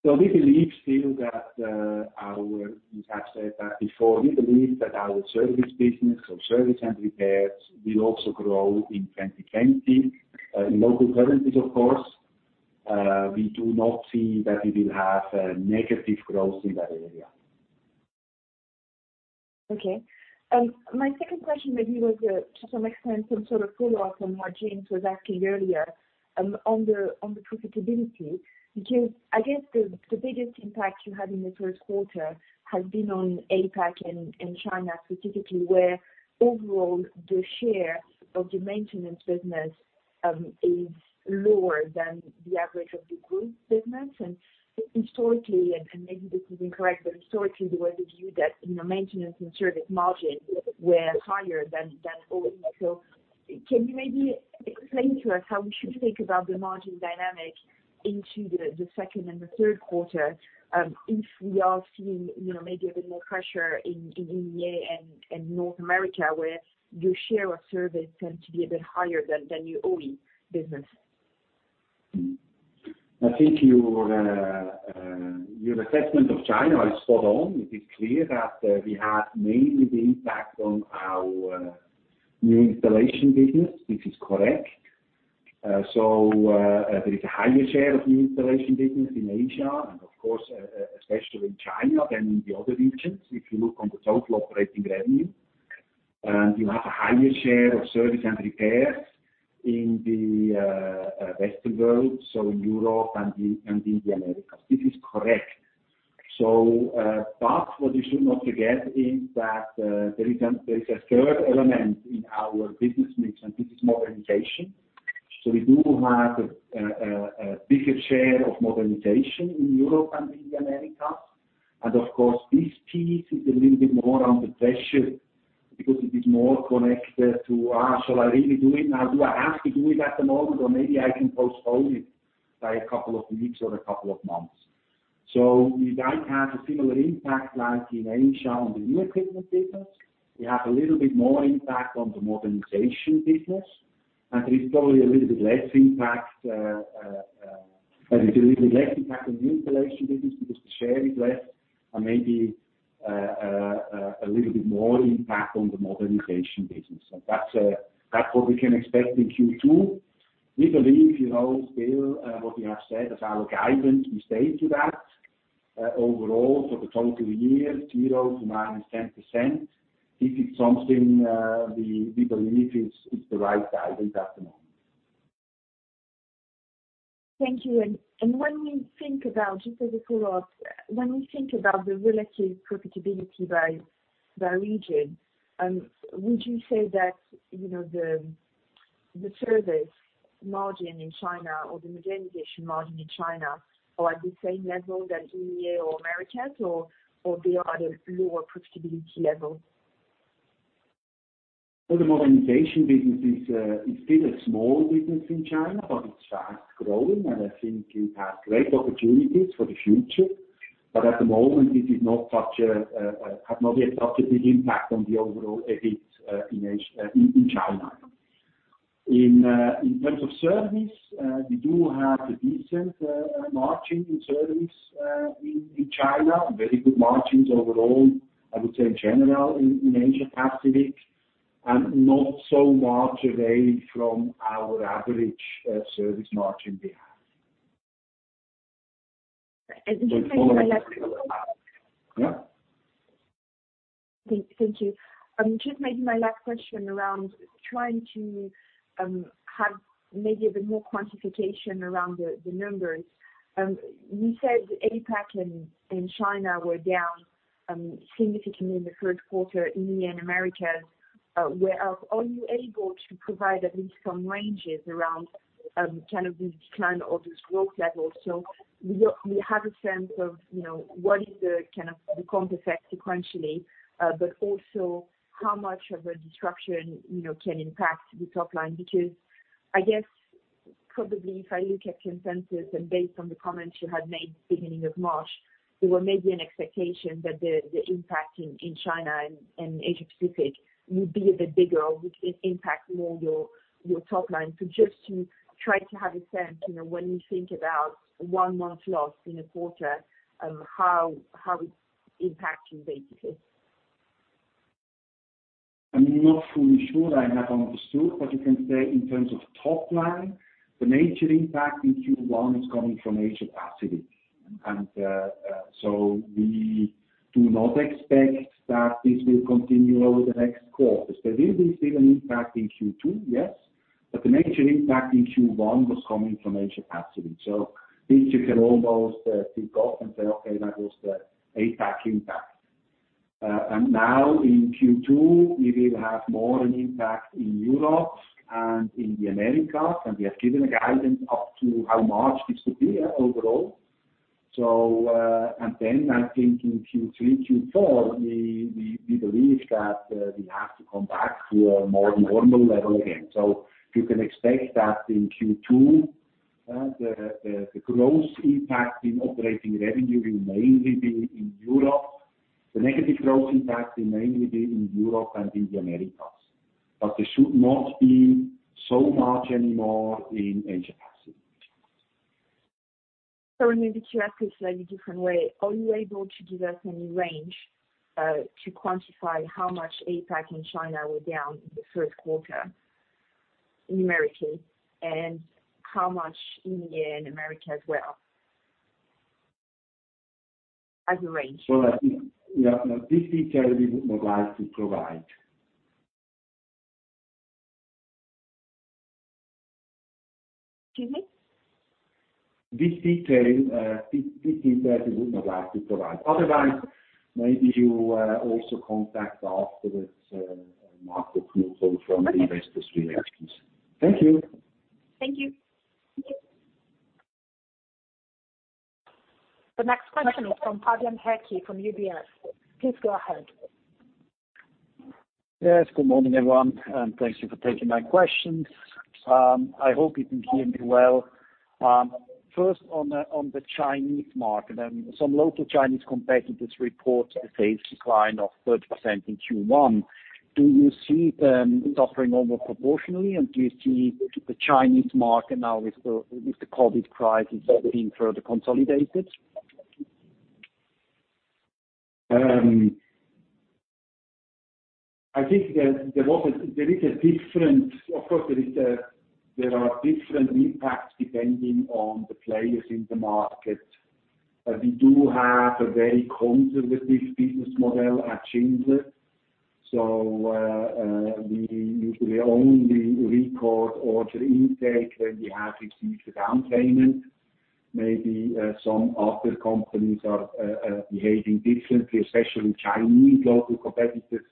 We believe still. We have said that before. We believe that our service business or service and repairs will also grow in 2020, in local currencies, of course. We do not see that we will have a negative growth in that area. My second question maybe was to some extent some sort of follow-up on what James was asking earlier on the profitability, because I guess the biggest impact you had in the first quarter has been on APAC and China specifically, where overall the share of the maintenance business is lower than the average of the group business. Historically, and maybe this is incorrect, but historically it was the view that maintenance and service margin were higher than OE. Can you maybe explain to us how we should think about the margin dynamic into the second and the third quarter if we are seeing maybe a bit more pressure in EMEA and North America, where your share of service tends to be a bit higher than your OE business? I think your assessment of China is spot on. It is clear that we had mainly the impact on our new installations business. This is correct. There is a higher share of new installations business in Asia and of course, especially in China than in the other regions, if you look on the total operating revenue. You have a higher share of service and maintenance in the Western world, so in Europe and in the Americas. This is correct. What you should not forget is that there is a third element in our business mix, and this is modernization. We do have a bigger share of modernization in Europe and in the Americas. Of course, this piece is a little bit more under pressure because it is more connected to, shall I really do it now? Do I have to do it at the moment, or maybe I can postpone it by a couple of weeks or a couple of months. We might have a similar impact like in Asia on the new equipment business. We have a little bit more impact on the modernization business, and it is probably a little bit less impact on the new installation business because the share is less, and maybe a little bit more impact on the modernization business. That's what we can expect in Q2. We believe, still what we have said as our guidance, we stay to that. Overall, for the total year, 0% to -10%, this is something we believe is the right guidance at the moment. Thank you. Just as a follow-up, when we think about the relative profitability by region, would you say that the service margin in China or the modernization margin in China are at the same level that EMEA or Americas, or they are at a lower profitability level? The modernization business is still a small business in China, but it's fast-growing, and I think it has great opportunities for the future. At the moment, it had not yet such a big impact on the overall EBITDA in China. In terms of service, we do have a decent margin in service in China. Very good margins overall, I would say in general in Asia Pacific, and not so far away from our average service margin we have. And just maybe my last- Yeah. Thank you. Just maybe my last question around trying to have maybe a bit more quantification around the numbers. You said APAC and China were down significantly in the first quarter, EMEA and Americas were up. Are you able to provide at least some ranges around kind of the decline of those growth levels? We have a sense of what is the kind of the comp effect sequentially, but also how much of a disruption can impact the top line? I guess probably if I look at consensus and based on the comments you had made beginning of March, there were maybe an expectation that the impact in China and Asia Pacific would be a bit bigger, would impact more your top line. Just to try to have a sense, when we think about one month loss in a quarter, how it impacts you basically. I'm not fully sure. I have understood. What you can say in terms of top line, the major impact in Q1 is coming from Asia Pacific. We do not expect that this will continue over the next quarters. There will be still an impact in Q2, yes. The major impact in Q1 was coming from Asia Pacific. This you can almost tick off and say, "Okay, that was the APAC impact." Now in Q2, we will have more an impact in Europe and in the Americas, and we have given a guidance up to how much this would be overall. I think in Q3, Q4, we believe that we have to come back to a more normal level again. You can expect that in Q2, the growth impact in operating revenue will mainly be in Europe. The negative growth impact will mainly be in Europe and in the Americas, but they should not be so much anymore in Asia Pacific. Maybe to ask it a slightly different way, are you able to give us any range to quantify how much APAC and China were down in the first quarter, numerically, and how much EMEA and America as well? As arranged. Well, I think this detail we would not like to provide. Excuse me? This detail we would not like to provide. Otherwise, maybe you also contact us with market. Okay From the investor relations. Thank you. Thank you. The next question is from Fabian Tschirky from UBS. Please go ahead. Yes, good morning, everyone, thank you for taking my questions. I hope you can hear me well. First on the Chinese market, some local Chinese competitors report a sales decline of 30% in Q1. Do you see them suffering almost proportionally, do you see the Chinese market now with the COVID crisis being further consolidated? I think there are different impacts depending on the players in the market. We do have a very conservative business model at Schindler. We usually only record order intake when we have received a down payment. Maybe some other companies are behaving differently, especially Chinese local competitors,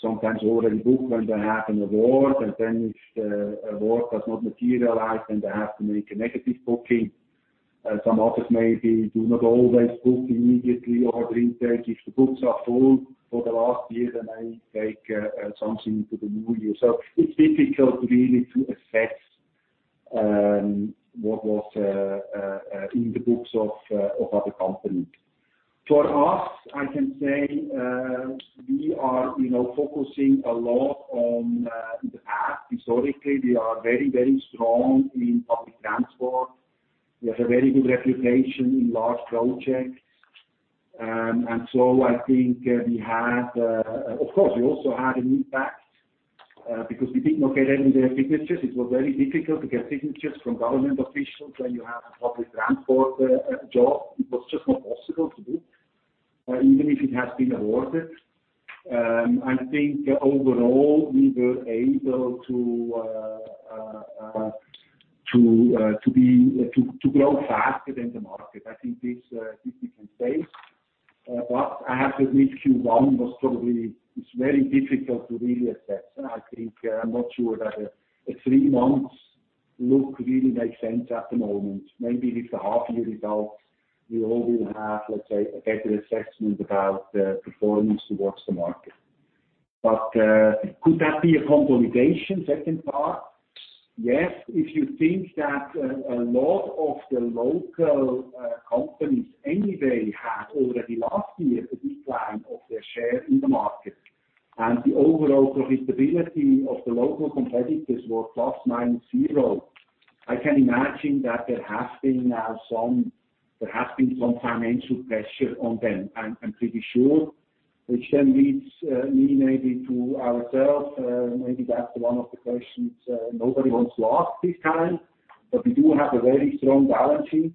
sometimes order in bulk when they have an award, and then if the award does not materialize, then they have to make a negative booking. Some others maybe do not always book immediately order intake if the books are full for the last year, they may take something into the new year. It's difficult really to assess what was in the books of other companies. For us, I can say we are focusing a lot on the past. Historically, we are very strong in public transport. We have a very good reputation in large projects. I think we had Of course, we also had an impact because we did not get any of the signatures. It was very difficult to get signatures from government officials when you have a public transport job. It was just not possible to do, even if it has been awarded. I think overall, we were able to grow faster than the market. I think this we can say. I have to admit, Q1 was probably very difficult to really assess. I think I'm not sure that a three months look really makes sense at the moment. Maybe with the half year results, we all will have, let's say, a better assessment about the performance towards the market. Could that be a consolidation, second part? Yes, if you think that a lot of the local companies anyway had already last year a decline of their share in the market, and the overall profitability of the local competitors were plus minus zero. I can imagine that there has been some financial pressure on them. I'm pretty sure, which then leads me maybe to ourselves, maybe that's one of the questions nobody wants to ask this time. We do have a very strong balance sheet.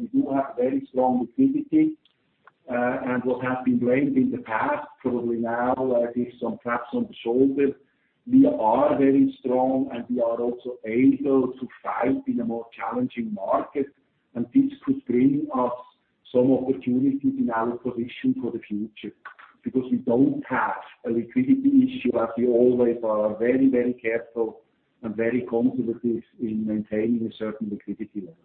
We do have very strong liquidity. What have been blamed in the past, probably now I give some pats on the shoulder. We are very strong, and we are also able to fight in a more challenging market, and this could bring us some opportunities in our position for the future because we don't have a liquidity issue as we always are very careful and very conservative in maintaining a certain liquidity level.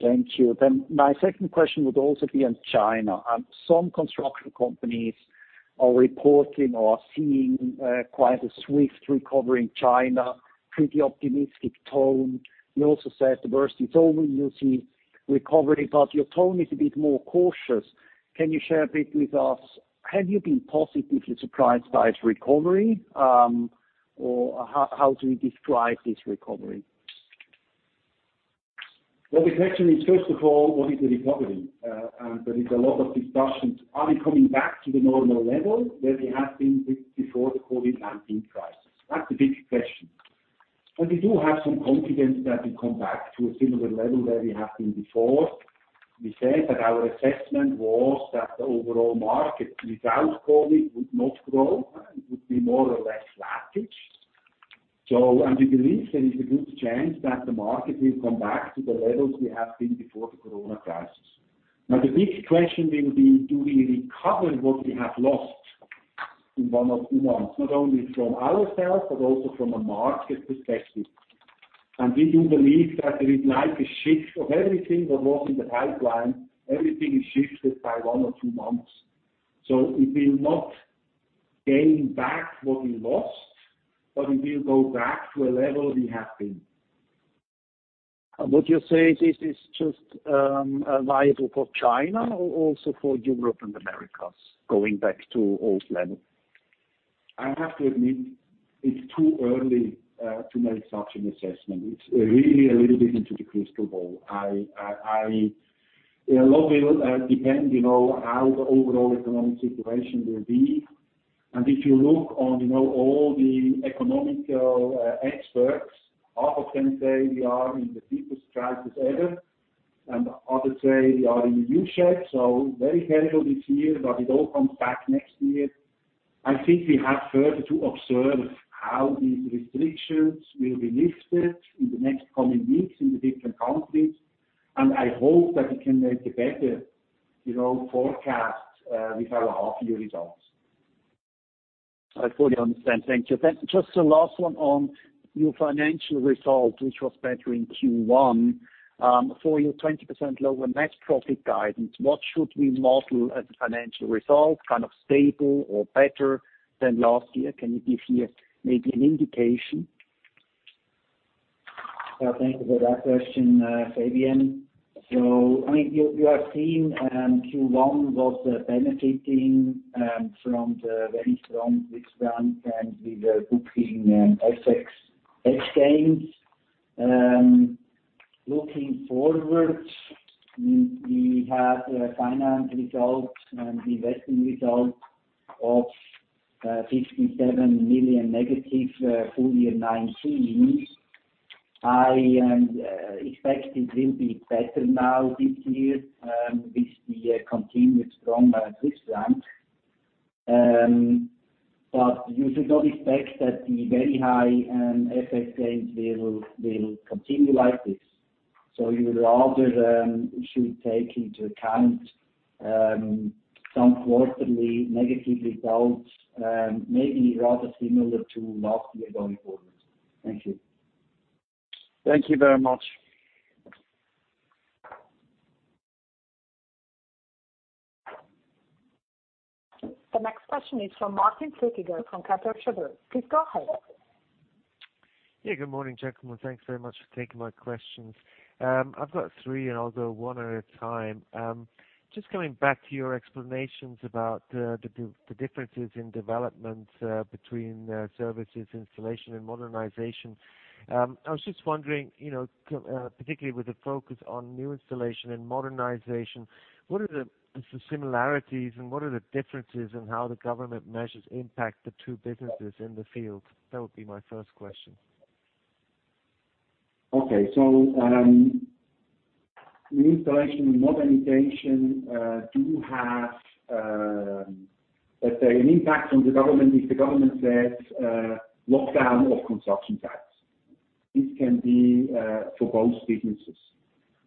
Thank you. My second question would also be on China. Some construction companies are reporting or are seeing quite a swift recovery in China, pretty optimistic tone. You also said the worst is over, you see recovery, but your tone is a bit more cautious. Can you share a bit with us, have you been positively surprised by its recovery? How do you describe this recovery? The question is, first of all, what is the recovery? There is a lot of discussions. Are we coming back to the normal level where we have been before the COVID-19 crisis? That's the big question. We do have some confidence that we come back to a similar level where we have been before. We said that our assessment was that the overall market, without COVID, would not grow, it would be more or less flattish. We believe there is a good chance that the market will come back to the levels we have been before the corona crisis. Now, the big question will be, do we recover what we have lost in one or two months? Not only from ourselves, but also from a market perspective. We do believe that there is like a shift of everything that was in the pipeline. Everything is shifted by one or two months. We will not gain back what we lost, but we will go back to a level we have been. Would you say this is just viable for China or also for Europe and Americas, going back to old levels? I have to admit, it is too early to make such an assessment. It is really a little bit into the crystal ball. A lot will depend how the overall economic situation will be. If you look on all the economic experts, half of them say we are in the deepest crisis ever, and the others say we are in U-shape, so very terrible this year, but it all comes back next year. I think we have further to observe how the restrictions will be lifted in the next coming weeks in the different countries, and I hope that we can make a better forecast with our half-year results. I fully understand. Thank you. Just a last one on your financial result, which was better in Q1. For your 20% lower net profit guidance, what should we model as a financial result, kind of stable or better than last year? Can you give here maybe an indication? Thank you for that question, Fabian. You have seen Q1 was benefiting from the very strong Swiss franc, and we were booking FX gains. Looking forward, we have a finance result and investing result of 57 million negative full year 2019. I expect it will be better now this year, with the continued strong Swiss franc. You should not expect that the very high FX gains will continue like this. You rather should take into account some quarterly negative results, maybe rather similar to last year going forward. Thank you. Thank you very much. The next question is from Martin Flueckiger from Kepler Cheuvreux. Please go ahead. Good morning, gentlemen. Thanks very much for taking my questions. I've got three, and I'll go one at a time. Just coming back to your explanations about the differences in development between service and maintenance, new installations, and modernization. I was just wondering, particularly with the focus on new installations and modernization, what are the similarities and what are the differences in how the government measures impact the two businesses in the field? That would be my first question. Okay. New installation and modernization do have an impact on the government if the government says lockdown or construction sites. This can be for both businesses.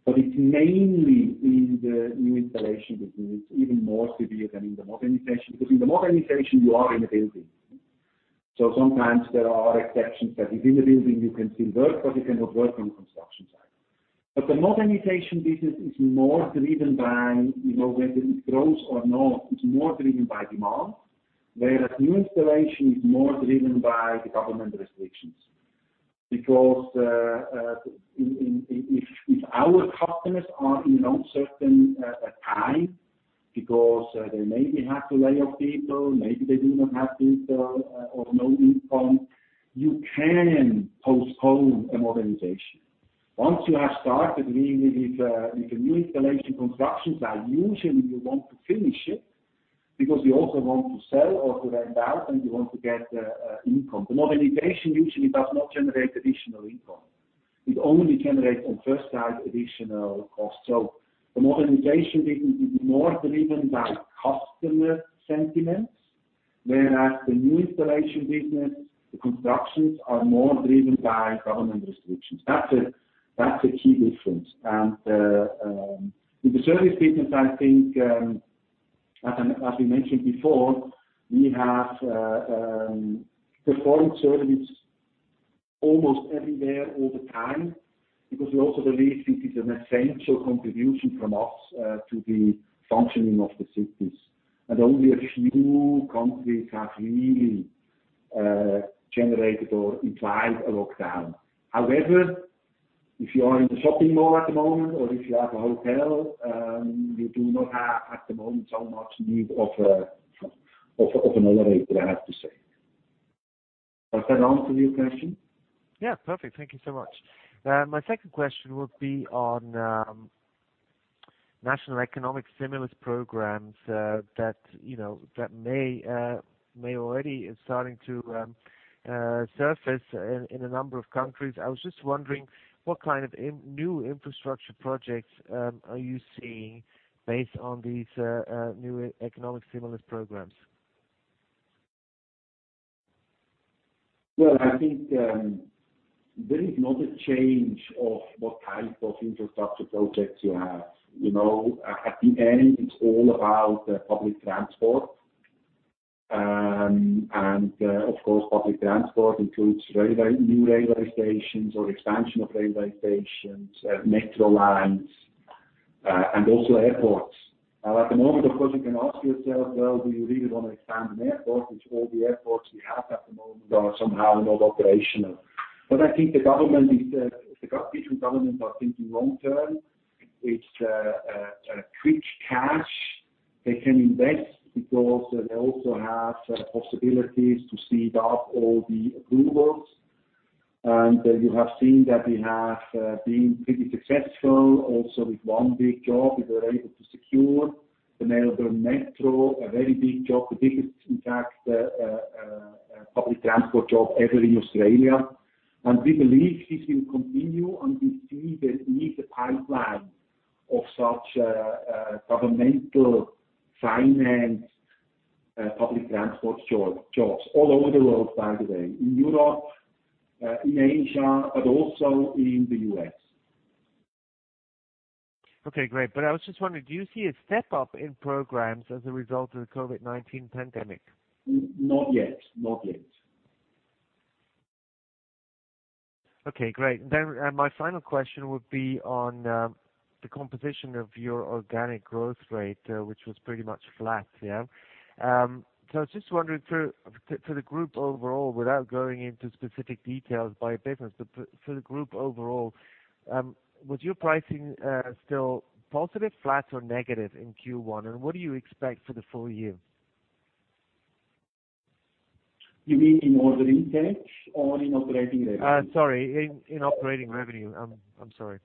It's mainly in the new installation business, even more severe than in the modernization. In the modernization, you are in a building. Sometimes there are exceptions that within the building you can still work, but you cannot work on construction site. The modernization business is more driven by whether it grows or not, it's more driven by demand. Whereas new installation is more driven by the government restrictions. If our customers are in uncertain times because they maybe have to lay off people, maybe they do not have people or no income, you can postpone a modernization. Once you have started with a New Installation construction site, usually you want to finish it because you also want to sell or to rent out, and you want to get income. The Modernization usually does not generate additional income. It only generates on first time additional cost. The Modernization business is more driven by customer sentiments, whereas the New Installation business, the constructions are more driven by government restrictions. That's the key difference. In the Service business, I think, as we mentioned before, we have performed service almost everywhere all the time because we also believe it is an essential contribution from us to the functioning of the cities. Only a few countries have really generated or implied a lockdown. If you are in the shopping mall at the moment, or if you have a hotel, we do not have at the moment so much need of an elevator, I have to say. Does that answer your question? Yeah. Perfect. Thank you so much. My second question would be on national economic stimulus programs that may already starting to surface in a number of countries. I was just wondering, what kind of new infrastructure projects are you seeing based on these new economic stimulus programs? Well, I think there is not a change of what kind of infrastructure projects you have. At the end, it's all about public transport. Of course, public transport includes new railway stations or expansion of railway stations, metro lines, and also airports. At the moment, of course, you can ask yourself, "Well, do you really want to expand an airport with all the airports we have at the moment are somehow not operational?" I think the governments are thinking long-term. It's quick cash they can invest because they also have possibilities to speed up all the approvals. You have seen that we have been pretty successful also with one big job. We were able to secure the Melbourne Metro, a very big job, the biggest in fact, public transport job ever in Australia. We believe this will continue, and we see that with the pipeline of such governmental financed public transport jobs all over the world, by the way, in Europe, in Asia, but also in the U.S. Okay, great. I was just wondering, do you see a step-up in programs as a result of the COVID-19 pandemic? Not yet. Okay, great. My final question would be on the composition of your organic growth rate, which was pretty much flat. I was just wondering for the group overall, without going into specific details by business, but for the group overall, was your pricing still positive, flat, or negative in Q1, and what do you expect for the full year? You mean in order intake or in operating revenue? Sorry, in operating revenue. I'm sorry.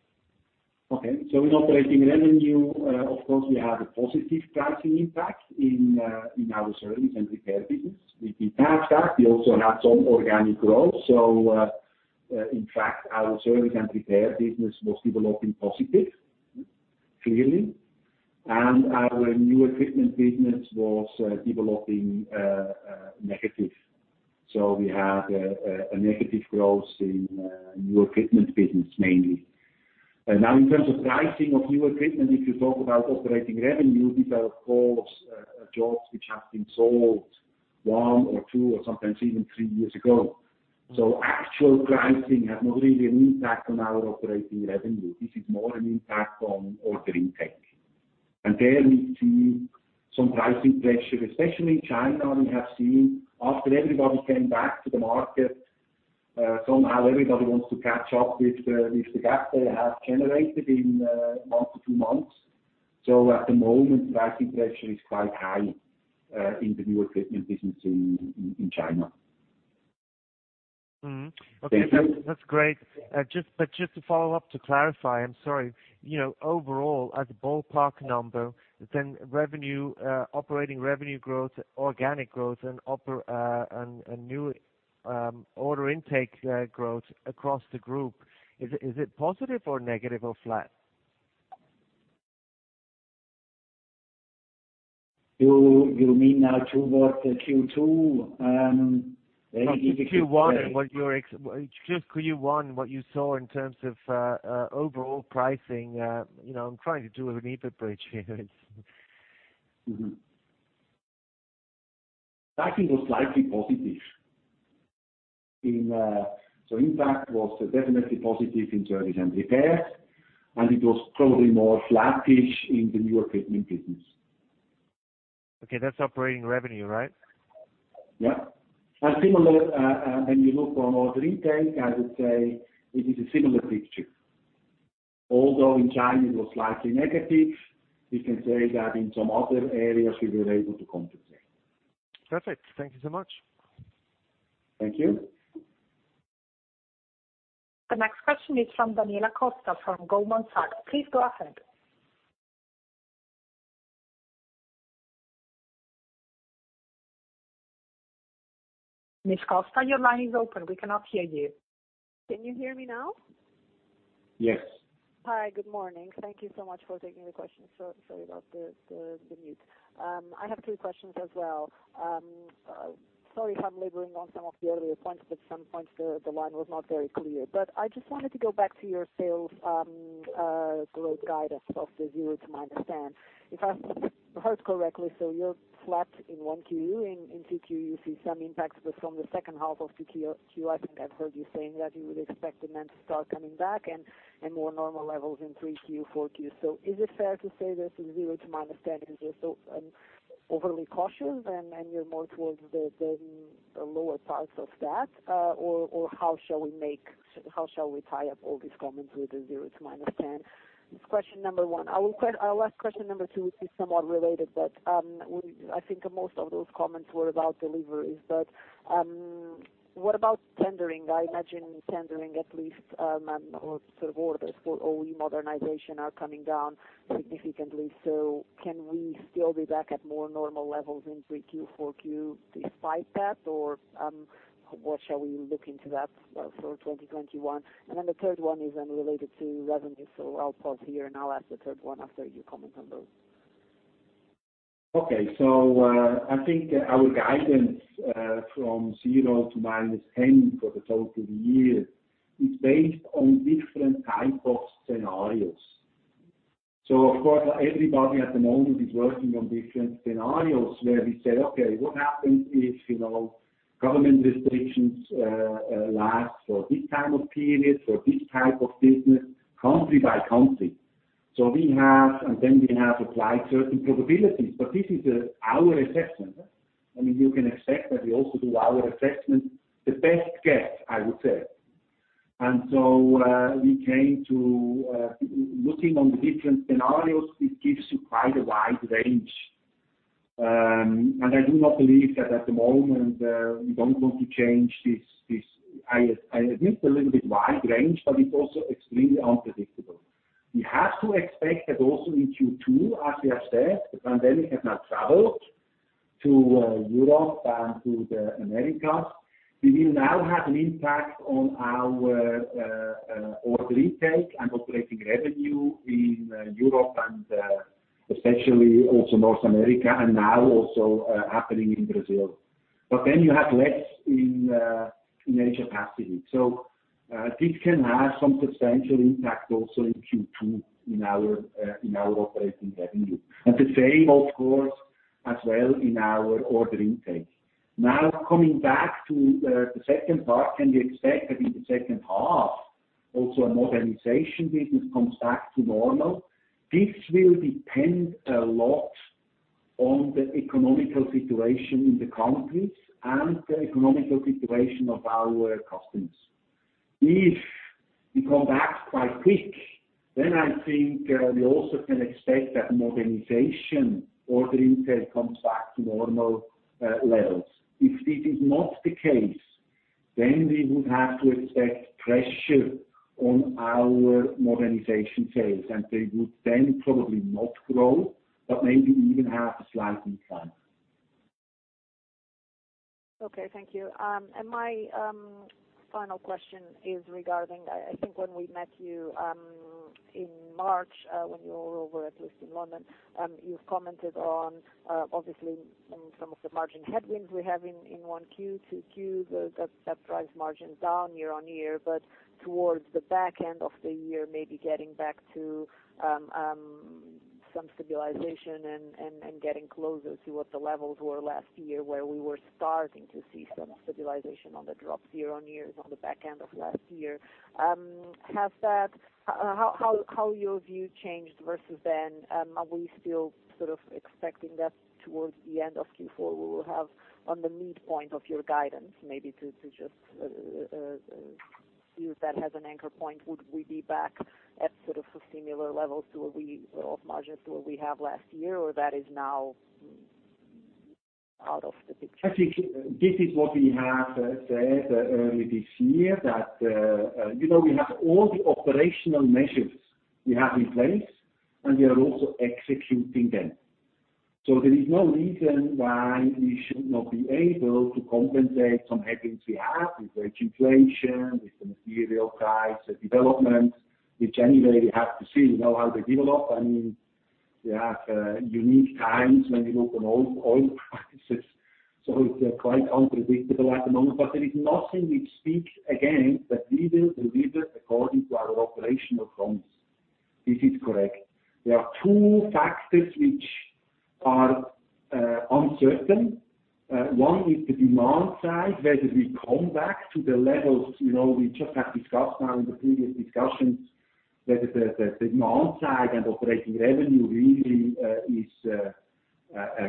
In operating revenue, of course, we had a positive pricing impact in our service and maintenance business. With that said, we also have some organic growth. In fact, our service and maintenance business was developing positive clearly, and our new installations business was developing negative. We had a negative growth in new installations business mainly. Now in terms of pricing of new installations, if you talk about operating revenue, these are of course, jobs which have been sold one or two or sometimes even three years ago. Actual pricing has not really an impact on our operating revenue. This is more an impact on order intake. There we see some pricing pressure, especially in China. We have seen after everybody came back to the market, somehow everybody wants to catch up with the gap they have generated in one to two months. At the moment, pricing pressure is quite high in the new equipment business in China. Thank you. Okay. That's great. Just to follow up to clarify, I'm sorry. Overall, as a ballpark number, operating revenue growth, organic growth, and new order intake growth across the group, is it positive or negative or flat? You mean now towards the Q2? Very difficult. No, just Q1 and what you saw in terms of overall pricing. I'm trying to do an EBITDA bridge here. Mm-hmm. Pricing was slightly positive. Impact was definitely positive in service and maintenance, and it was probably more flattish in the new installations. Okay. That's operating revenue, right? Yeah. Similar, when you look on order intake, I would say it is a similar picture. Although in China it was slightly negative, we can say that in some other areas we were able to compensate. Perfect. Thank you so much. Thank you. The next question is from Daniela Costa from Goldman Sachs. Please go ahead. Miss Costa, your line is open. We cannot hear you. Can you hear me now? Yes. Hi. Good morning. Thank you so much for taking the question. Sorry about the mute. I have two questions as well. Sorry if I'm laboring on some of the earlier points, at some points, the line was not very clear. I just wanted to go back to your sales growth guidance of the 0 to -10. If I heard correctly, you're flat in 1Q. In 2Q, you see some impacts, from the second half of 2Q, I think I've heard you saying that you would expect demand to start coming back and more normal levels in 3Q, 4Q. Is it fair to say that the 0 to -10 is just overly cautious, and you're more towards the lower parts of that? How shall we tie up all these comments with the 0 to -10? It's question number one. Our last question number two is somewhat related, but I think most of those comments were about deliveries. What about tendering? I imagine tendering at least, or sort of orders for OE modernization are coming down significantly. Can we still be back at more normal levels in 3Q, 4Q despite that? Shall we look into that for 2021? The third one is then related to revenue. I'll pause here and I'll ask the third one after you comment on those. Okay. I think our guidance from 0 to -10 for the total year is based on different type of scenarios. Of course, everybody at the moment is working on different scenarios where we say, "Okay, what happens if government restrictions last for this time of period for this type of business country by country?" We have applied certain probabilities. This is our assessment. You can expect that we also do our assessment, the best guess, I would say. We came to looking on the different scenarios, it gives you quite a wide range. I do not believe that at the moment, we don't want to change this, I admit a little bit wide range, but it's also extremely unpredictable. We have to expect that also in Q2, as we have said, the pandemic has now traveled to Europe and to the Americas. We will now have an impact on our order intake and operating revenue in Europe and especially also North America, and now also happening in Brazil. Then you have less in Asia-Pacific. This can have some substantial impact also in Q2 in our operating revenue. The same, of course, as well in our order intake. Now coming back to the second part, can we expect that in the second half, also our modernization business comes back to normal? This will depend a lot on the economical situation in the countries and the economical situation of our customers. If we come back quite quick, then I think we also can expect that modernization order intake comes back to normal levels. If this is not the case, then we would have to expect pressure on our modernization sales, and they would then probably not grow, but maybe even have a slight decline. Okay. Thank you. My final question is regarding, I think when we met you in March, when you were over at least in London, you commented obviously on some of the margin headwinds we have in 1Q, 2Q, that drives margin down year-on-year. Towards the back end of the year, maybe getting back to some stabilization and getting closer to what the levels were last year, where we were starting to see some stabilization on the drop year-on-year on the back end of last year. How your view changed versus then? Are we still sort of expecting that towards the end of Q4, we will have on the midpoint of your guidance, maybe to just use that as an anchor point, would we be back at sort of similar levels Of margins to what we have last year, or that is now out of the picture? I think this is what we have said early this year, that we have all the operational measures we have in place, and we are also executing them. There is no reason why we should not be able to compensate some headwinds we have with wage inflation, with the material price developments, which anyway we have to see how they develop. I mean, we have unique times when you look on oil prices, so it's quite unpredictable at the moment. There is nothing which speaks against that we will deliver according to our operational plans. This is correct. There are two factors which are uncertain. One is the demand side, whether we come back to the levels we just have discussed now in the previous discussions, whether the demand side and operating revenue really is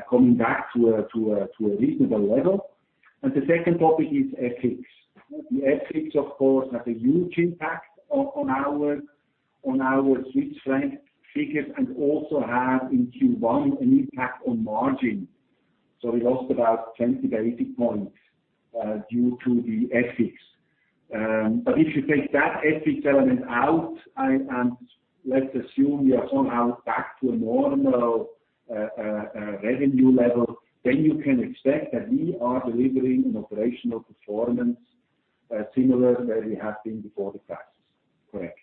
coming back to a reasonable level. The second topic is FX. The FX, of course, had a huge impact on our Swiss franc figures and also had in Q1 an impact on margin. We lost about 20 basis points due to the FX. If you take that FX element out, and let's assume we are somehow back to a normal revenue level, you can expect that we are delivering an operational performance similar where we have been before the crisis. Correct.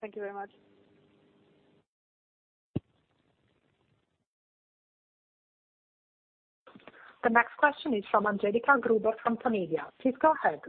Thank you very much. The next question is from Angelika Gruber from Tamedia. Please go ahead.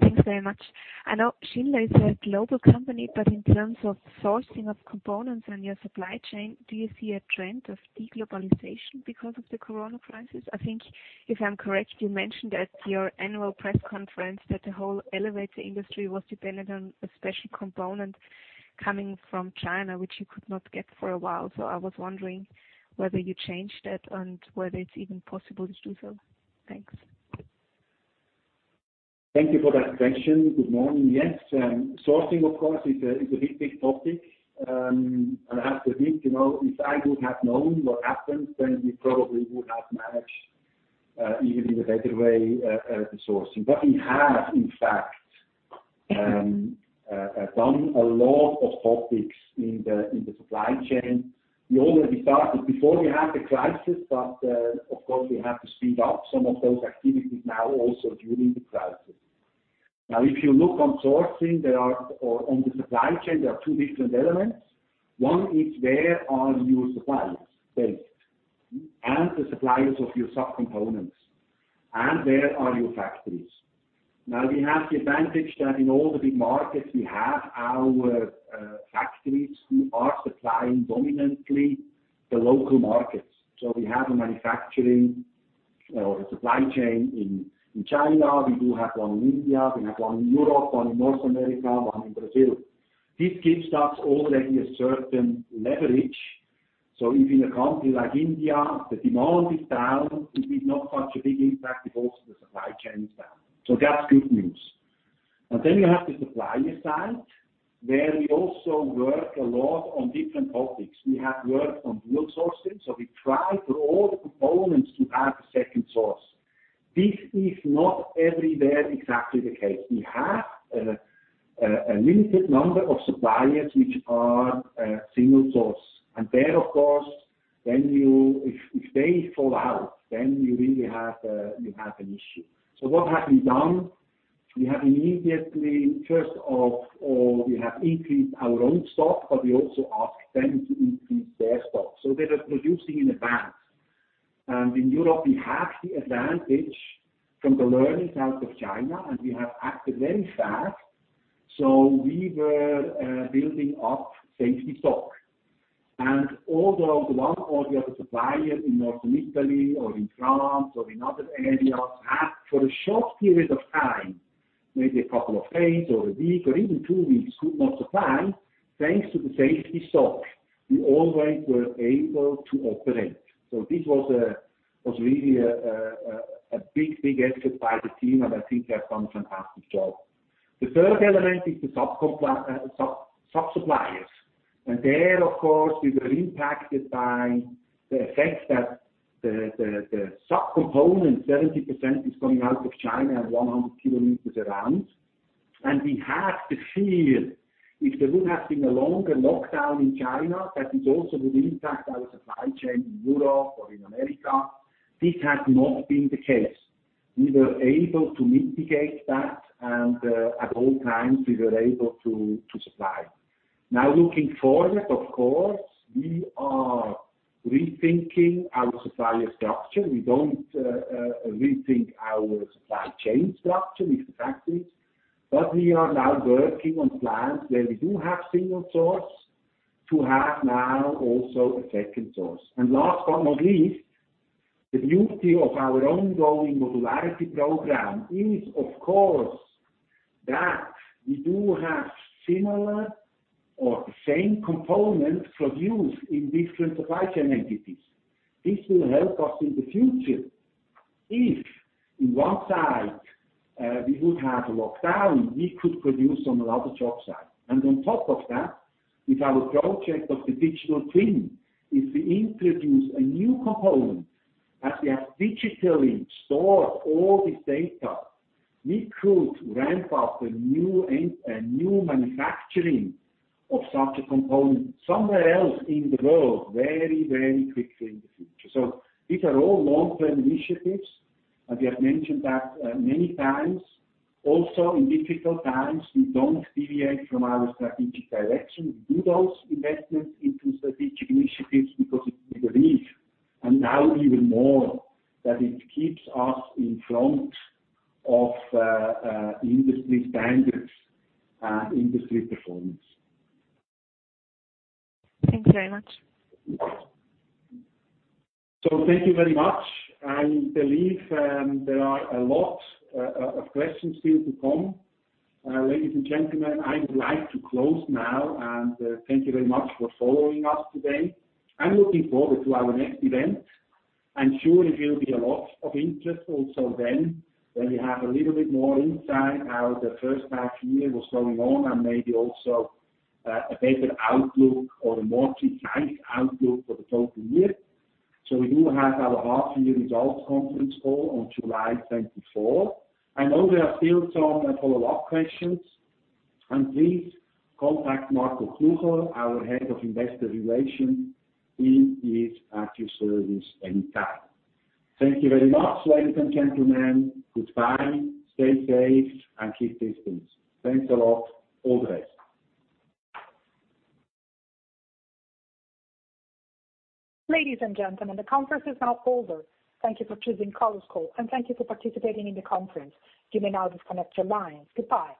Thanks very much. I know Schindler is a global company, but in terms of sourcing of components and your supply chain, do you see a trend of de-globalization because of the Corona crisis? I think if I'm correct, you mentioned at your annual press conference that the whole elevator industry was dependent on a special component coming from China, which you could not get for a while. I was wondering whether you changed that and whether it's even possible to do so. Thanks. Thank you for that question. Good morning. Yes, sourcing of course, is a big topic. I have to admit, if I would have known what happened, we probably would have managed even in a better way the sourcing. We have, in fact, done a lot of topics in the supply chain. We already started before we had the crisis, of course, we have to speed up some of those activities now also during the crisis. If you look on sourcing, or on the supply chain, there are two different elements. One is where are your suppliers based, and the suppliers of your sub-components, and where are your factories? We have the advantage that in all the big markets, we have our factories who are supplying dominantly the local markets. We have a manufacturing or a supply chain in China. We do have one in India, we have one in Europe, one in North America, one in Brazil. This gives us already a certain leverage. If in a country like India, the demand is down, it is not such a big impact if also the supply chain is down. That's good news. You have the supplier side, where we also work a lot on different topics. We have worked on dual sourcing. We try for all the components to have a second source. This is not everywhere exactly the case. We have a limited number of suppliers which are a single source. There, of course, if they fall out, then you really have an issue. What have we done? First of all, we have increased our own stock. We also ask them to increase their stock. They are producing in advance. In Europe, we have the advantage from the learnings out of China, and we have acted very fast. We were building up safety stock. Although one or the other supplier in Northern Italy or in France or in other areas have, for a short period of time, maybe a couple of days or a week or even two weeks, could not supply, thanks to the safety stock, we always were able to operate. This was really a big effort by the team, and I think they have done a fantastic job. The third element is the sub-suppliers. There, of course, we were impacted by the effect that the sub-component, 70%, is coming out of China and 100 km around. We had the fear, if there would have been a longer lockdown in China, that it also would impact our supply chain in Europe or in America. This has not been the case. We were able to mitigate that, and at all times, we were able to supply. Now looking forward, of course, we are rethinking our supplier structure. We don't rethink our supply chain structure with the factories, but we are now working on plans where we do have single source to have now also a second source. Last but not least, the beauty of our ongoing modularity program is, of course, that we do have similar or the same component produced in different supply chain entities. This will help us in the future. If in one side we would have a lockdown, we could produce on another job site. On top of that, with our project of the digital twin, if we introduce a new component, as we have digitally stored all this data, we could ramp up a new manufacturing of such a component somewhere else in the world very quickly in the future. These are all long-term initiatives, and we have mentioned that many times. In difficult times, we don't deviate from our strategic direction. We do those investments into strategic initiatives because we believe, and now even more, that it keeps us in front of industry standards and industry performance. Thanks very much. Thank you very much. I believe there are a lot of questions still to come. Ladies and gentlemen, I would like to close now, and thank you very much for following us today. I'm looking forward to our next event. I'm sure it will be a lot of interest also then, when we have a little bit more insight how the first half year was going on and maybe also a better outlook or a more precise outlook for the total year. We do have our half year results conference call on July 24. I know there are still some follow-up questions, and please contact Marco Knuchel, our Head of Investor Relations. He is at your service any time. Thank you very much, ladies and gentlemen. Goodbye. Stay safe, and keep distance. Thanks a lot. All the best. Ladies and gentlemen, the conference is now over. Thank you for choosing Chorus Call, and thank you for participating in the conference. You may now disconnect your lines. Goodbye.